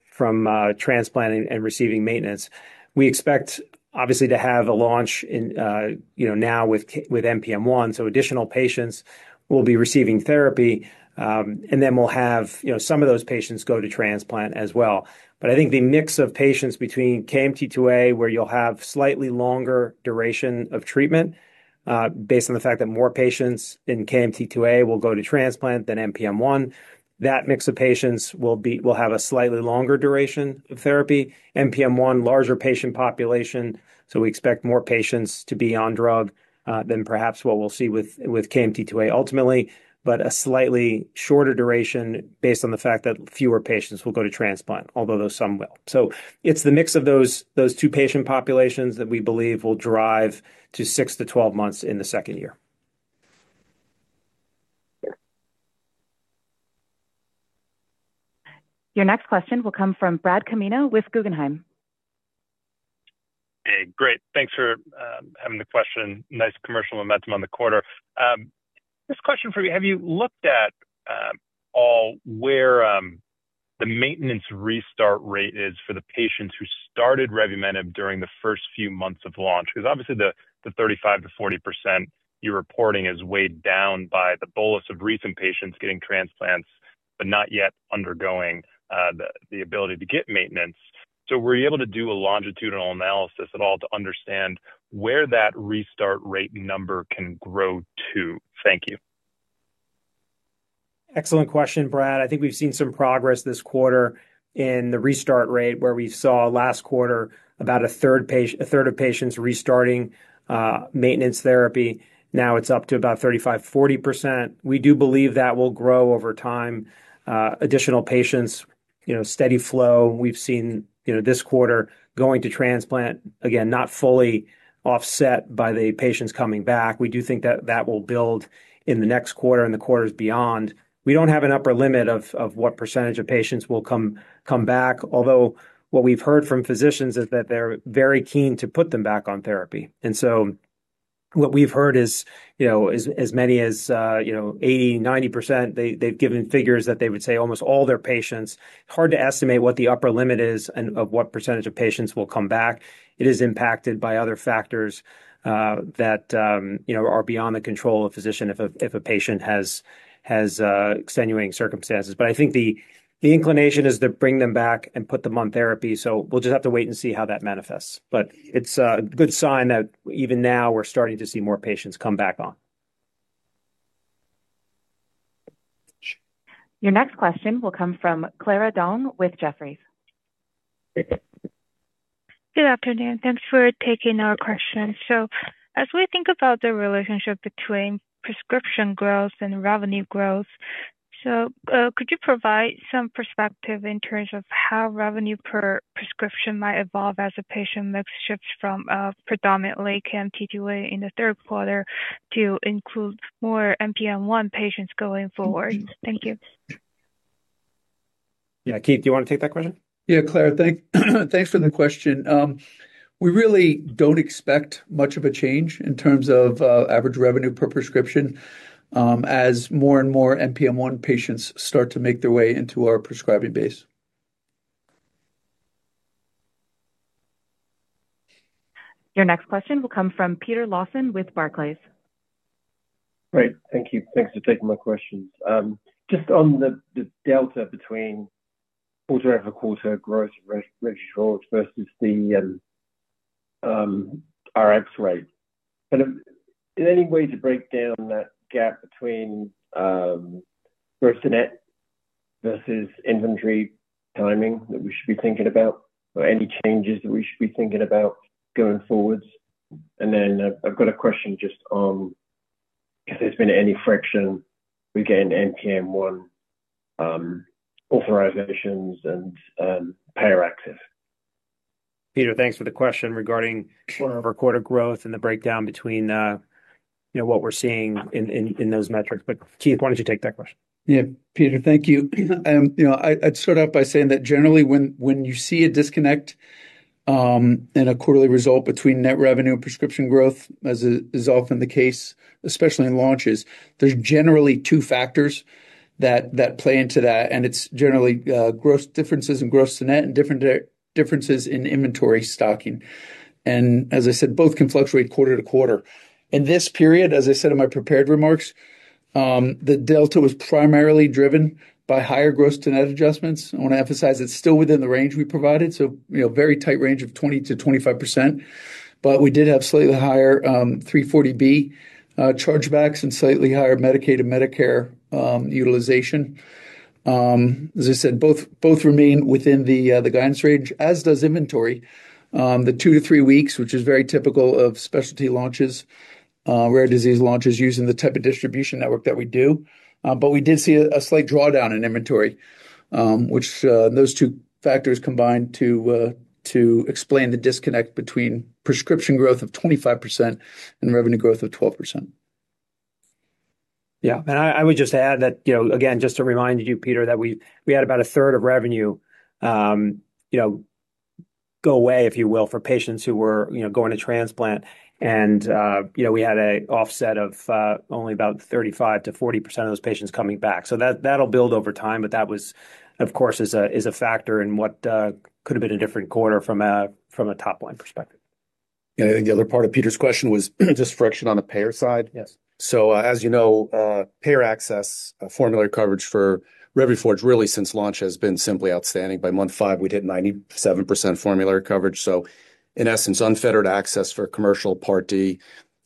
transplant and receiving maintenance. We expect, obviously, to have a launch now with NPM1, so additional patients will be receiving therapy. Then we'll have some of those patients go to transplant as well. I think the mix of patients between KMT2A, where you'll have slightly longer duration of treatment. Based on the fact that more patients in KMT2A will go to transplant than NPM1, that mix of patients will have a slightly longer duration of therapy. NPM1, larger patient population, so we expect more patients to be on drug than perhaps what we will see with KMT2A ultimately, but a slightly shorter duration based on the fact that fewer patients will go to transplant, although some will. It is the mix of those two patient populations that we believe will drive to 6-12 months in the second year. Your next question will come from Brad Canino with Guggenheim. Hey, great. Thanks for having the question. Nice commercial momentum on the quarter. This question for you, have you looked at all where the maintenance restart rate is for the patients who started revumenib during the first few months of launch? Because obviously, the 35%-40% you are reporting is weighed down by the bolus of recent patients getting transplants, but not yet undergoing the ability to get maintenance. Were you able to do a longitudinal analysis at all to understand where that restart rate number can grow to? Thank you. Excellent question, Brad. I think we have seen some progress this quarter in the restart rate where we saw last quarter about a third of patients restarting maintenance therapy. Now it is up to about 35%-40%. We do believe that will grow over time. Additional patients, steady flow. We have seen this quarter going to transplant, again, not fully offset by the patients coming back. We do think that that will build in the next quarter and the quarters beyond. We do not have an upper limit of what percentage of patients will come back, although what we have heard from physicians is that they are very keen to put them back on therapy. What we have heard is as many as 80%, 90%. They have given figures that they would say almost all their patients. It is hard to estimate what the upper limit is and of what percentage of patients will come back. It is impacted by other factors that are beyond the control of a physician if a patient has extenuating circumstances. I think the inclination is to bring them back and put them on therapy. We will just have to wait and see how that manifests. It is a good sign that even now we are starting to see more patients come back on. Your next question will come from Clara Dong with Jefferies. Good afternoon. Thanks for taking our question. As we think about the relationship between prescription growth and revenue growth, could you provide some perspective in terms of how revenue per prescription might evolve as a patient mix shifts from predominantly KMT2A in the third quarter to include more NPM1 patients going forward? Thank you. Yeah, Keith, do you want to take that question? Yeah, Clara, thanks for the question. We really do not expect much of a change in terms of average revenue per prescription. As more and more NPM1 patients start to make their way into our prescribing base. Your next question will come from Peter Lawson with Barclays. Great. Thank you. Thanks for taking my questions. Just on the delta between quarter-over-quarter growth of registrars versus the Rx rate. Kind of in any way to break down that gap between versus inventory timing that we should be thinking about, or any changes that we should be thinking about going forward? I have a question just on if there's been any friction with getting NPM1 authorizations and payer access. Peter, thanks for the question regarding quarter-over-quarter growth and the breakdown between what we're seeing in those metrics. Keith, why don't you take that question? Yeah, Peter, thank you. I'd start off by saying that generally, when you see a disconnect in a quarterly result between net revenue and prescription growth, as is often the case, especially in launches, there are generally two factors that play into that. It's generally differences in gross to net and differences in inventory stocking. As I said, both can fluctuate quarter to quarter. In this period, as I said in my prepared remarks, the delta was primarily driven by higher gross to net adjustments. I want to emphasize it's still within the range we provided, so a very tight range of 20%-25%. We did have slightly higher 340B chargebacks and slightly higher Medicaid and Medicare utilization. As I said, both remain within the guidance range, as does inventory. The two to three weeks, which is very typical of specialty launches, rare disease launches using the type of distribution network that we do. We did see a slight drawdown in inventory, which those two factors combined to explain the disconnect between prescription growth of 25% and revenue growth of 12%. I would just add that, again, just to remind you, Peter, that we had about a third of revenue go away, if you will, for patients who were going to transplant. We had an offset of only about 35%-40% of those patients coming back. That will build over time, but that was, of course, a factor in what could have been a different quarter from a top-line perspective. I think the other part of Peter's question was just friction on the payer side. Yes. As you know, payer access, formulary coverage for Revuforj really since launch has been simply outstanding. By month five, we hit 97% formulary coverage. In essence, unfettered access for commercial Part D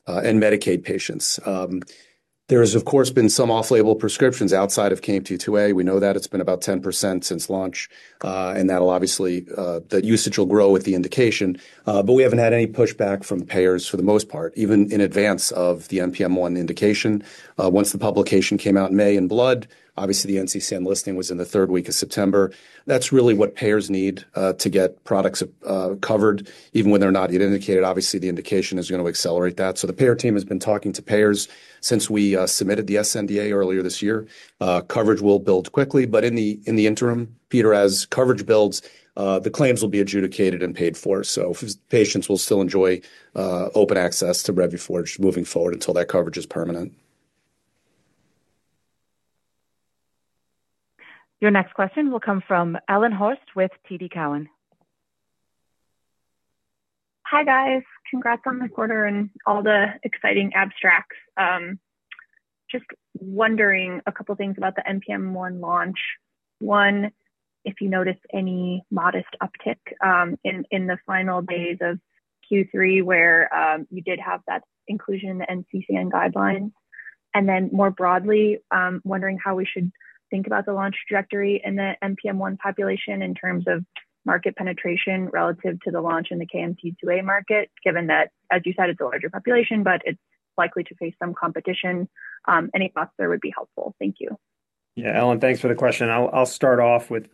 and Medicaid patients. There has, of course, been some off-label prescriptions outside of KMT2A. We know that it's been about 10% since launch, and that will obviously, the usage will grow with the indication. We haven't had any pushback from payers for the most part, even in advance of the NPM1 indication. Once the publication came out in May in Blood, obviously, the NCCN listing was in the third week of September. That is really what payers need to get products covered even when they are not yet indicated. Obviously, the indication is going to accelerate that. The payer team has been talking to payers since we submitted the SNDA earlier this year. Coverage will build quickly. In the interim, Peter, as coverage builds, the claims will be adjudicated and paid for. Patients will still enjoy open access to Revuforj moving forward until that coverage is permanent. Your next question will come from Ellen Horste with TD Cowen. Hi guys. Congrats on the quarter and all the exciting abstracts. Just wondering a couple of things about the NPM1 launch. One, if you noticed any modest uptick in the final days of third quarter where you did have that inclusion in the NCCN guidelines. More broadly, wondering how we should think about the launch trajectory in the NPM1 population in terms of market penetration relative to the launch in the KMT2A market, given that, as you said, it is a larger population, but it is likely to face some competition. Any thoughts there would be helpful. Thank you. Yeah, Ellen, thanks for the question. I will start off with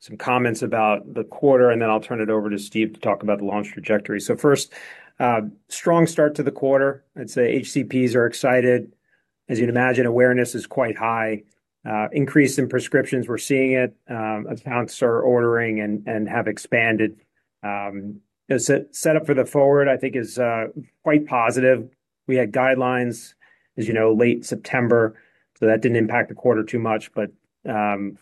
some comments about the quarter, and then I will turn it over to Steve to talk about the launch trajectory. First, strong start to the quarter. I would say HCPs are excited. As you can imagine, awareness is quite high. Increase in prescriptions, we are seeing it. Accounts are ordering and have expanded. Setup for the forward, I think, is quite positive. We had guidelines, as you know, late September. That did not impact the quarter too much, but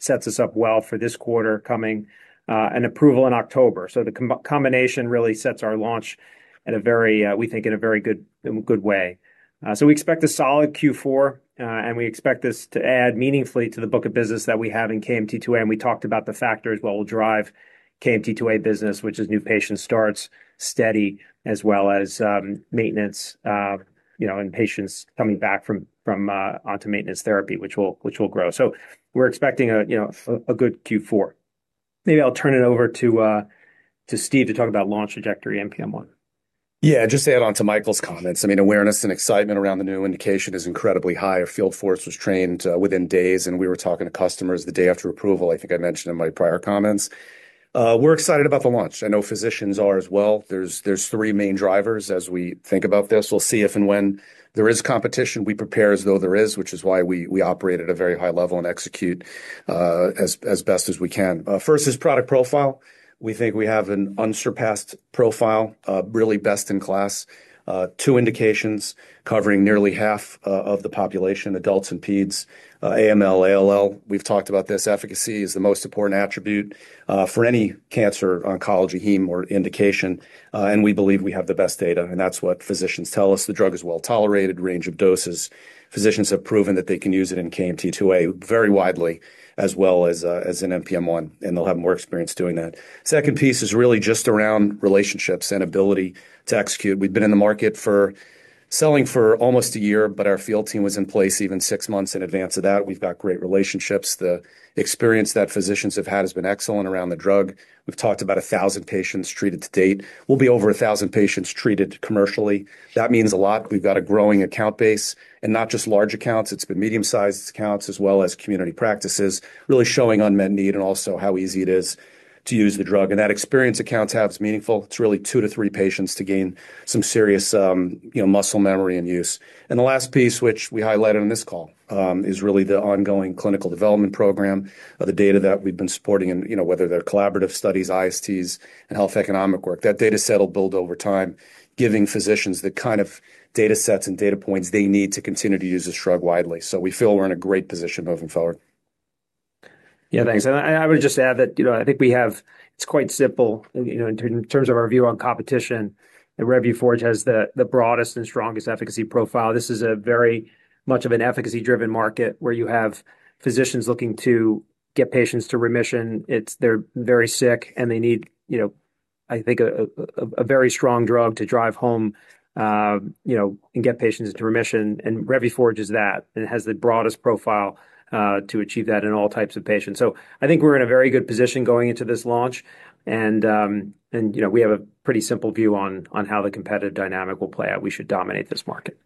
sets us up well for this quarter coming and approval in October. The combination really sets our launch at a very, we think, in a very good way. We expect a solid fourth quarter, and we expect this to add meaningfully to the book of business that we have in KMT2A. We talked about the factors that will drive KMT2A business, which is new patient starts, steady, as well as maintenance, and patients coming back onto maintenance therapy, which will grow. We are expecting a good fourth quarter. Maybe I will turn it over to Steve to talk about launch trajectory NPM1. Yeah, just to add on to Michael's comments, I mean, awareness and excitement around the new indication is incredibly high. Our field force was trained within days, and we were talking to customers the day after approval, I think I mentioned in my prior comments. We are excited about the launch. I know physicians are as well. There are three main drivers as we think about this. We will see if and when there is competition. We prepare as though there is, which is why we operate at a very high level and execute as best as we can. First is product profile. We think we have an unsurpassed profile, really best in class. Two indications covering nearly half of the population, adults and peds, AML, ALL. We've talked about this. Efficacy is the most important attribute for any cancer, oncology, heme, or indication. We believe we have the best data. That's what physicians tell us. The drug is well tolerated, range of doses. Physicians have proven that they can use it in KMT2A very widely, as well as in NPM1, and they'll have more experience doing that. Second piece is really just around relationships and ability to execute. We've been in the market for selling for almost a year, but our field team was in place even six months in advance of that. We've got great relationships. The experience that physicians have had has been excellent around the drug. We've talked about 1,000 patients treated to date. We'll be over 1,000 patients treated commercially. That means a lot. We've got a growing account base. Not just large accounts, it's been medium-sized accounts as well as community practices, really showing unmet need and also how easy it is to use the drug. That experience accounts have is meaningful. It's really two to three patients to gain some serious muscle memory and use. The last piece, which we highlighted on this call, is really the ongoing clinical development program, the data that we've been supporting, and whether they're collaborative studies, ISTs, and health economic work. That data set will build over time, giving physicians the kind of data sets and data points they need to continue to use this drug widely. We feel we're in a great position moving forward. Yeah, thanks. I would just add that I think we have, it's quite simple. In terms of our view on competition, Revuforj has the broadest and strongest efficacy profile. This is much of an efficacy-driven market where you have physicians looking to get patients to remission. They're very sick, and they need, I think, a very strong drug to drive home and get patients into remission. Revuforj is that. It has the broadest profile to achieve that in all types of patients. I think we're in a very good position going into this launch. We have a pretty simple view on how the competitive dynamic will play out. We should dominate this market.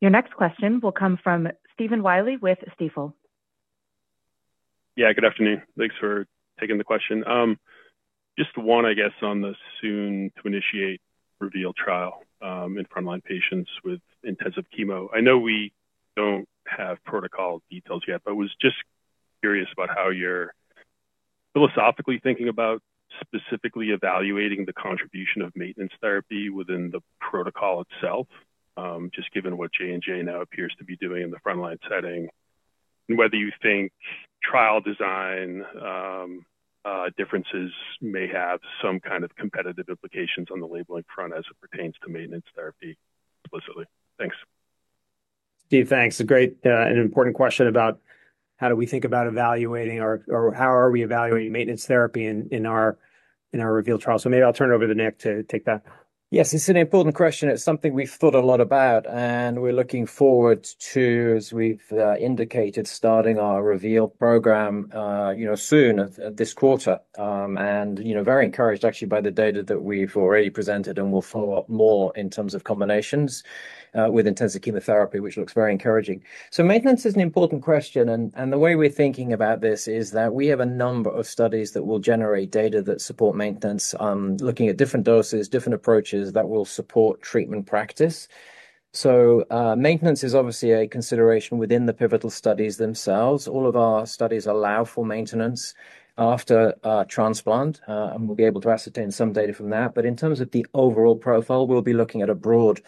Your next question will come from Stephen Willey with Stifel. Yeah, good afternoon. Thanks for taking the question. Just one, I guess, on the soon-to-initiate REVEAL trial in frontline patients with intensive chemo. I know we don't have protocol details yet, but I was just curious about how you're philosophically thinking about specifically evaluating the contribution of maintenance therapy within the protocol itself, just given what J&J now appears to be doing in the frontline setting, and whether you think trial design differences may have some kind of competitive implications on the labeling front as it pertains to maintenance therapy explicitly. Thanks. Steve, thanks. A great and important question about how do we think about evaluating or how are we evaluating maintenance therapy in our REVEAL trial. Maybe I'll turn it over to Nick to take that. Yes, it's an important question. It's something we've thought a lot about. We're looking forward to, as we've indicated, starting our REVEAL program soon this quarter. Very encouraged, actually, by the data that we've already presented and will follow up more in terms of combinations with intensive chemotherapy, which looks very encouraging. Maintenance is an important question. The way we're thinking about this is that we have a number of studies that will generate data that support maintenance, looking at different doses, different approaches that will support treatment practice. Maintenance is obviously a consideration within the pivotal studies themselves. All of our studies allow for maintenance after transplant, and we'll be able to ascertain some data from that. In terms of the overall profile, we'll be looking at a broad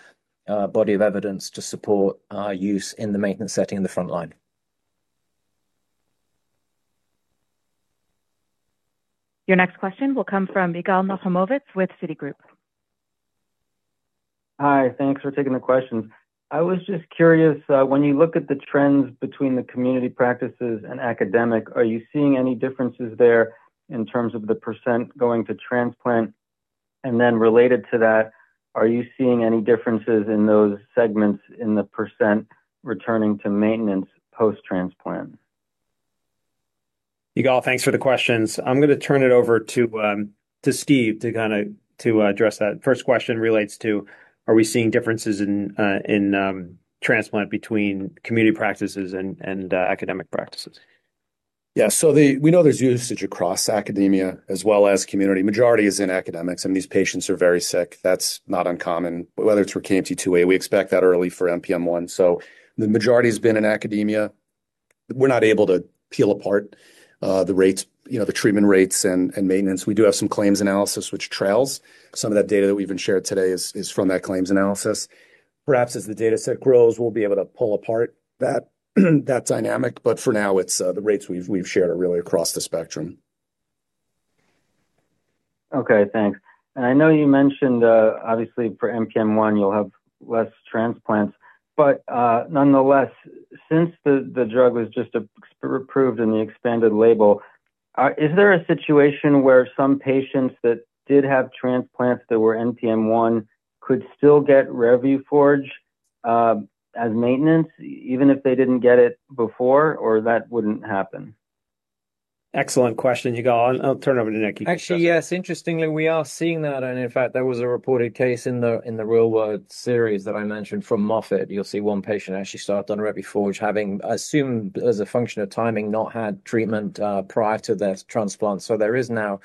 body of evidence to support our use in the maintenance setting in the frontline. Your next question will come from Yigal Nochomovitz with Citigroup. Hi, thanks for taking the question. I was just curious, when you look at the trends between the community practices and academic, are you seeing any differences there in terms of the percent going to transplant? Related to that, are you seeing any differences in those segments in the percent returning to maintenance post-transplant? Yigal, thanks for the questions. I'm going to turn it over to Steve to kind of address that. First question relates to, are we seeing differences in transplant between community practices and academic practices? Yeah. We know there's usage across academia as well as community. Majority is in academics, and these patients are very sick. That's not uncommon, whether it's for KMT2A. We expect that early for NPM1. The majority has been in academia. We're not able to peel apart the treatment rates and maintenance. We do have some claims analysis, which trails. Some of that data that we've shared today is from that claims analysis. Perhaps as the data set grows, we'll be able to pull apart that dynamic. For now, the rates we've shared are really across the spectrum. Okay, thanks. I know you mentioned, obviously, for NPM1, you'll have less transplants. Nonetheless, since the drug was just approved in the expanded label, is there a situation where some patients that did have transplants that were NPM1 could still get Revuforj as maintenance, even if they didn't get it before, or that wouldn't happen? Excellent question, Yigal. I'll turn it over to Nick. Actually, yes. Interestingly, we are seeing that. In fact, there was a reported case in the real-world series that I mentioned from Moffitt. You'll see one patient actually started on Revuforj having, I assume, as a function of timing, not had treatment prior to their transplant. There is now,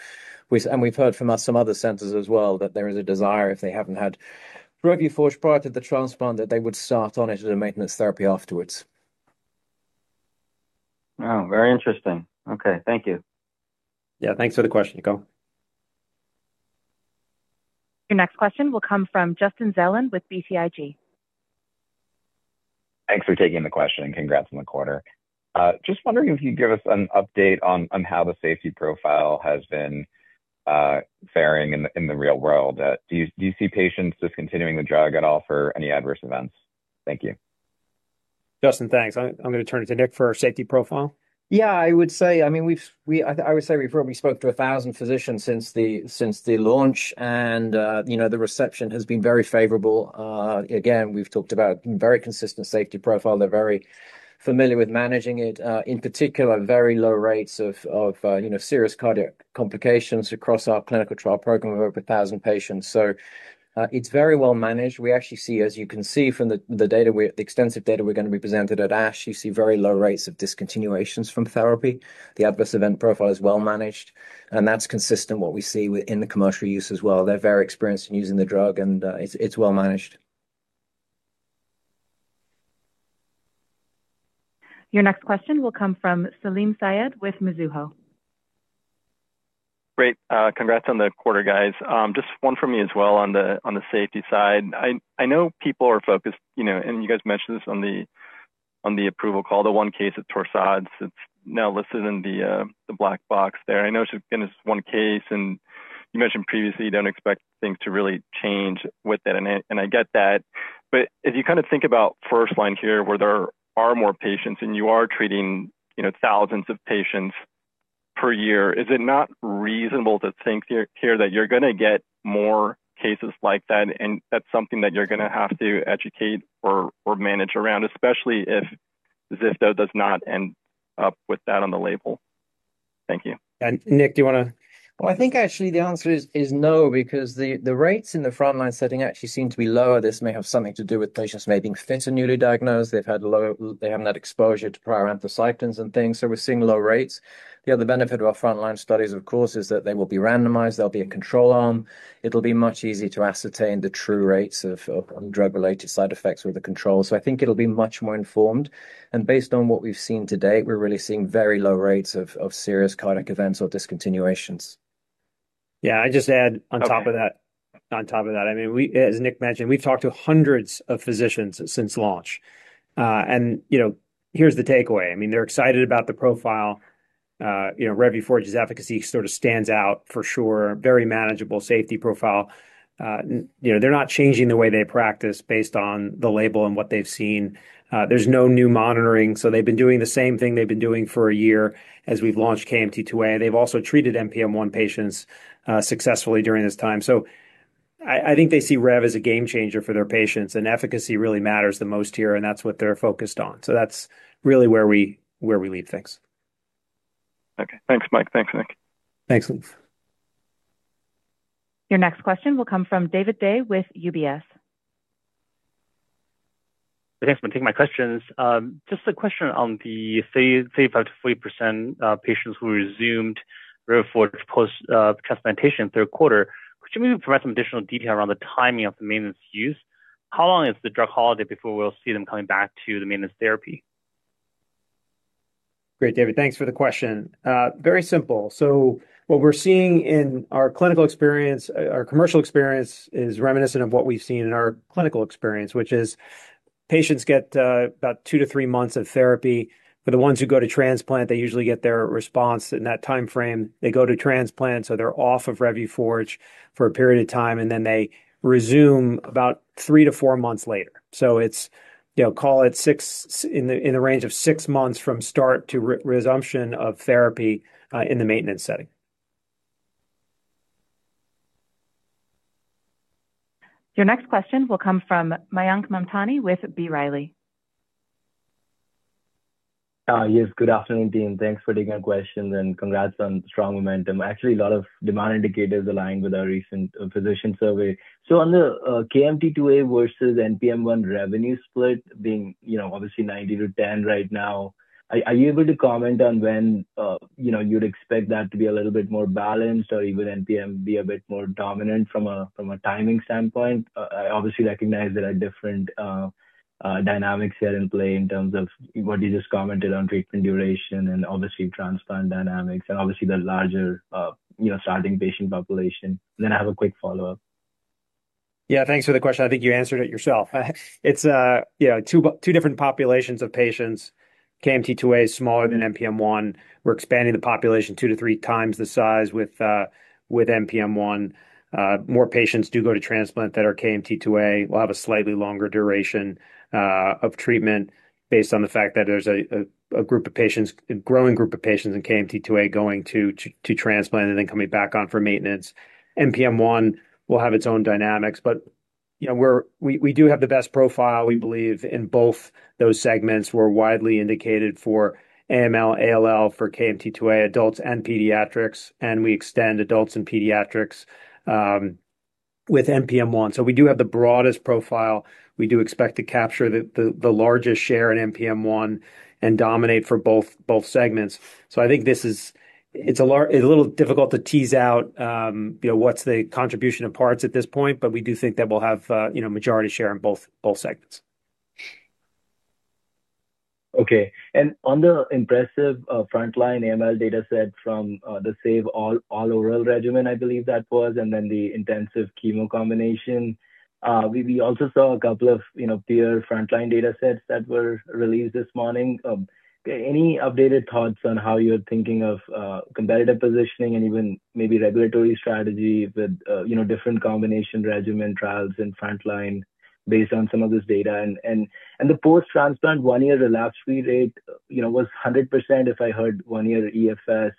and we've heard from some other centers as well, that there is a desire if they haven't had Revuforj prior to the transplant that they would start on it as a maintenance therapy afterwards. Wow, very interesting. Okay, thank you. Yeah, thanks for the question, Yigal. Your next question will come from Justin Zelin with BTIG. Thanks for taking the question. Congrats on the quarter. Just wondering if you'd give us an update on how the safety profile has been faring in the real world. Do you see patients discontinuing the drug at all for any adverse events? Thank you. Justin, thanks. I'm going to turn it to Nick for our safety profile. Yeah, I would say, I mean, I would say we've probably spoke to 1,000 physicians since the launch, and the reception has been very favorable. Again, we've talked about a very consistent safety profile. They're very familiar with managing it, in particular, very low rates of serious cardiac complications across our clinical trial program of over 1,000 patients. It's very well managed. We actually see, as you can see from the data, the extensive data we're going to be presented at ASH, you see very low rates of discontinuations from therapy. The adverse event profile is well managed, and that's consistent with what we see in the commercial use as well. They're very experienced in using the drug, and it's well managed. Your next question will come from Salim Syed with Mizuho. Great. Congrats on the quarter, guys. Just one from me as well on the safety side. I know people are focused, and you guys mentioned this on the approval call, the one case at Torsades. It's now listed in the black box there. I know it's just one case. You mentioned previously, you don't expect things to really change with it. I get that. If you kind of think about first line here, where there are more patients and you are treating thousands of patients per year, is it not reasonable to think here that you're going to get more cases like that? That's something that you're going to have to educate or manage around, especially if Zypto does not end up with that on the label. Thank you. Nick, do you want to? I think actually the answer is no because the rates in the frontline setting actually seem to be lower. This may have something to do with patients maybe fit and newly diagnosed. They haven't had exposure to prior anthracyclines and things. We're seeing low rates. The other benefit of our frontline studies, of course, is that they will be randomized. There'll be a control arm. It'll be much easier to ascertain the true rates of drug-related side effects with the control. I think it'll be much more informed. And based on what we've seen today, we're really seeing very low rates of serious cardiac events or discontinuations. Yeah, I just add on top of that. On top of that, I mean, as Nick mentioned, we've talked to hundreds of physicians since launch. And here's the takeaway. I mean, they're excited about the profile. Revuforj's efficacy sort of stands out for sure. Very manageable safety profile. They're not changing the way they practice based on the label and what they've seen. There's no new monitoring. They've been doing the same thing they've been doing for a year as we've launched KMT2A. They've also treated NPM1 patients successfully during this time. I think they see Rev as a game changer for their patients. And efficacy really matters the most here, and that's what they're focused on. That's really where we leave things. Okay. Thanks, Mike. Thanks, Nick. Thanks, Salim. Your next question will come from David Dai with UBS. Thanks for taking my questions. Just a question on the 35%-40% patients who resumed Revuforj post-transplantation third quarter. Could you maybe provide some additional detail around the timing of the maintenance use? How long is the drug holiday before we'll see them coming back to the maintenance therapy? Great, David. Thanks for the question. Very simple. What we're seeing in our clinical experience, our commercial experience is reminiscent of what we've seen in our clinical experience, which is patients get about two to three months of therapy. For the ones who go to transplant, they usually get their response in that time frame. They go to transplant, so they're off of Revuforj for a period of time, and then they resume about three to four months later. Call it in the range of six months from start to resumption of therapy in the maintenance setting. Your next question will come from Mayank Mamtani with B. Riley. Yes, good afternoon, Dean. Thanks for taking our questions and congrats on strong momentum. Actually, a lot of demand indicators aligned with our recent physician survey. On the KMT2A versus NPM1 revenue split being obviously 90-10 right now, are you able to comment on when you'd expect that to be a little bit more balanced or even NPM be a bit more dominant from a timing standpoint? I obviously recognize there are different dynamics here in play in terms of what you just commented on treatment duration and obviously transplant dynamics and obviously the larger starting patient population. Then I have a quick follow-up. Yeah, thanks for the question. I think you answered it yourself. It's two different populations of patients. KMT2A is smaller than NPM1. We're expanding the population two to three times the size with NPM1. More patients do go to transplant that are KMT2A. We'll have a slightly longer duration of treatment based on the fact that there's a growing group of patients in KMT2A going to transplant and then coming back on for maintenance. NPM1 will have its own dynamics, but we do have the best profile, we believe, in both those segments. We're widely indicated for AML, ALL for KMT2A adults and pediatrics, and we extend adults and pediatrics with NPM1. So we do have the broadest profile. We do expect to capture the largest share in NPM1 and dominate for both segments. I think it's a little difficult to tease out what's the contribution of parts at this point, but we do think that we'll have a majority share in both segments. Okay. And on the impressive frontline AML data set from the SAVE regimen, I believe that was, and then the intensive chemo combination. We also saw a couple of peer frontline data sets that were released this morning. Any updated thoughts on how you're thinking of competitive positioning and even maybe regulatory strategy with different combination regimen trials in frontline based on some of this data? And the post-transplant one-year relapse rate was 100%, if I heard one-year EFS.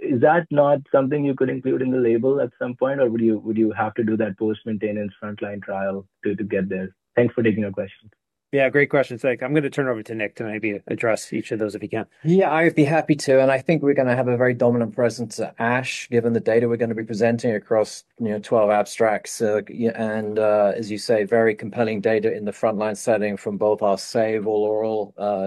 Is that not something you could include in the label at some point, or would you have to do that post-maintenance frontline trial to get there? Thanks for taking our questions. Yeah, great questions. I'm going to turn it over to Nick to maybe address each of those if he can. Yeah, I'd be happy to. I think we're going to have a very dominant presence at ASH given the data we're going to be presenting across 12 abstracts. As you say, very compelling data in the frontline setting from both our SAVE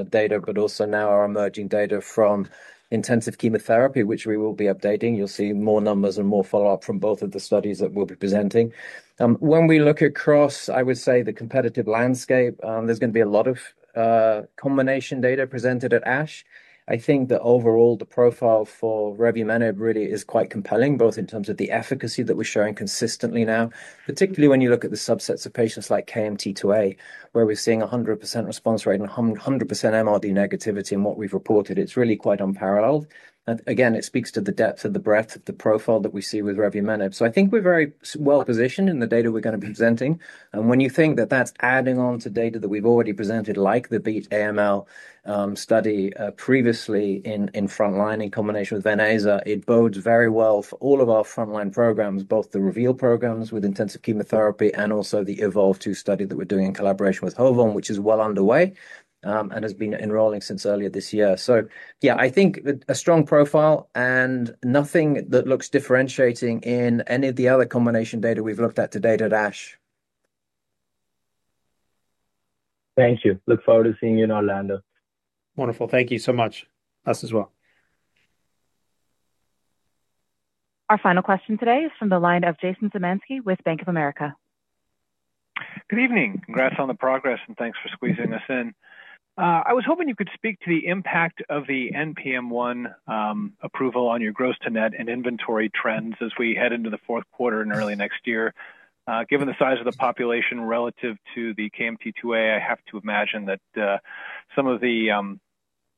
data, but also now our emerging data from intensive chemotherapy, which we will be updating. You'll see more numbers and more follow-up from both of the studies that we'll be presenting. When we look across, I would say, the competitive landscape, there's going to be a lot of combination data presented at ASH. I think that overall, the profile for revumenib really is quite compelling, both in terms of the efficacy that we're showing consistently now, particularly when you look at the subsets of patients like KMT2A, where we're seeing a 100% response rate and 100% MRD negativity in what we've reported. It's really quite unparalleled. It speaks to the depth and the breadth of the profile that we see with revumenib. I think we're very well positioned in the data we're going to be presenting. When you think that that's adding on to data that we've already presented, like the Beat AML study previously in frontline in combination with venetoclax, it bodes very well for all of our frontline programs, both the REVEAL programs with intensive chemotherapy and also the EVOLVE-2 study that we're doing in collaboration with HOVON, which is well underway and has been enrolling since earlier this year. Yeah, I think a strong profile and nothing that looks differentiating in any of the other combination data we've looked at today at ASH. Thank you. Look forward to seeing you in Orlando. Wonderful. Thank you so much. Us as well. Our final question today is from the line of Jason Zemansky with Bank of America. Good evening. Congrats on the progress, and thanks for squeezing us in. I was hoping you could speak to the impact of the NPM1 approval on your gross to net and inventory trends as we head into the fourth quarter and early next year. Given the size of the population relative to the KMT2A, I have to imagine that some of the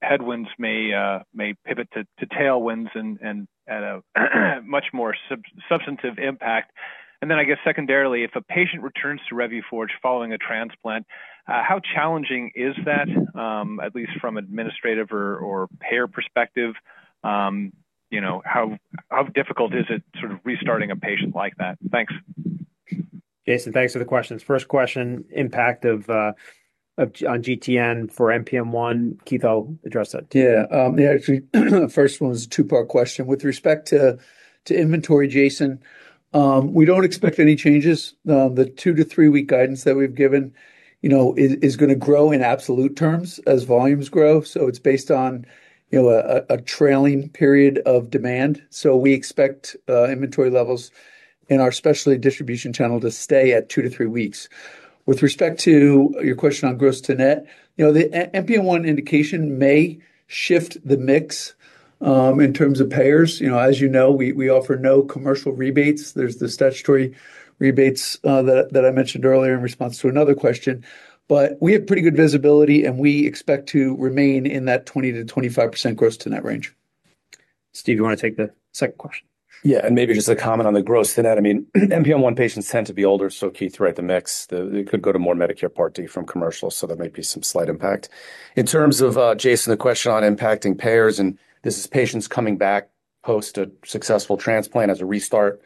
headwinds may pivot to tailwinds and at a much more substantive impact. Then I guess secondarily, if a patient returns to Revuforj following a transplant, how challenging is that, at least from an administrative or payer perspective? How difficult is it sort of restarting a patient like that? Thanks. Jason, thanks for the questions. First question, impact on GTN for NPM1. Keith, I'll address that. Yeah. Actually, the first one is a two-part question. With respect to inventory, Jason, we don't expect any changes. The two to three-week guidance that we've given is going to grow in absolute terms as volumes grow. It's based on a trailing period of demand. We expect inventory levels in our specialty distribution channel to stay at two to three weeks. With respect to your question on gross to net, the NPM1 indication may shift the mix in terms of payers. As you know, we offer no commercial rebates. There are the statutory rebates that I mentioned earlier in response to another question. We have pretty good visibility, and we expect to remain in that 20%-25% gross to net range. Steve, you want to take the second question? Yeah, and maybe just a comment on the gross to net. I mean, NPM1 patients tend to be older, so Keith, right, the mix. It could go to more Medicare Part D from commercial, so there may be some slight impact. In terms of, Jason, the question on impacting payers, and this is patients coming back post a successful transplant as a restart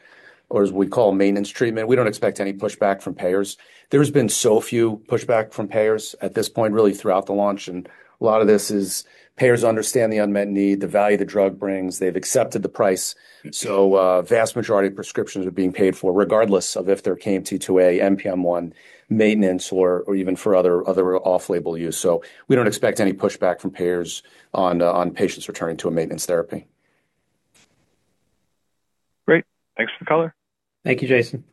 or as we call maintenance treatment, we don't expect any pushback from payers. There's been so few pushback from payers at this point, really, throughout the launch. A lot of this is payers understand the unmet need, the value the drug brings. They've accepted the price. A vast majority of prescriptions are being paid for, regardless of if they're KMT2A, NPM1, maintenance, or even for other off-label use. We do not expect any pushback from payers on patients returning to a maintenance therapy. Great. Thanks for the color. Thank you, Jason.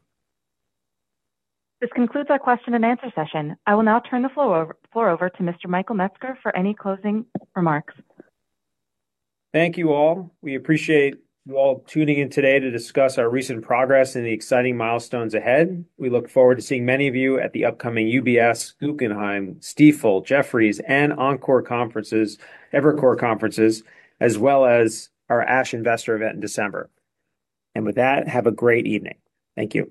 This concludes our question and answer session. I will now turn the floor over to Mr. Michael Metzger for any closing remarks. Thank you all. We appreciate you all tuning in today to discuss our recent progress and the exciting milestones ahead. We look forward to seeing many of you at the upcoming UBS, Guggenheim, Stifel, Jefferies, and Evercore Conferences, as well as our ASH investor event in December. With that, have a great evening. Thank you.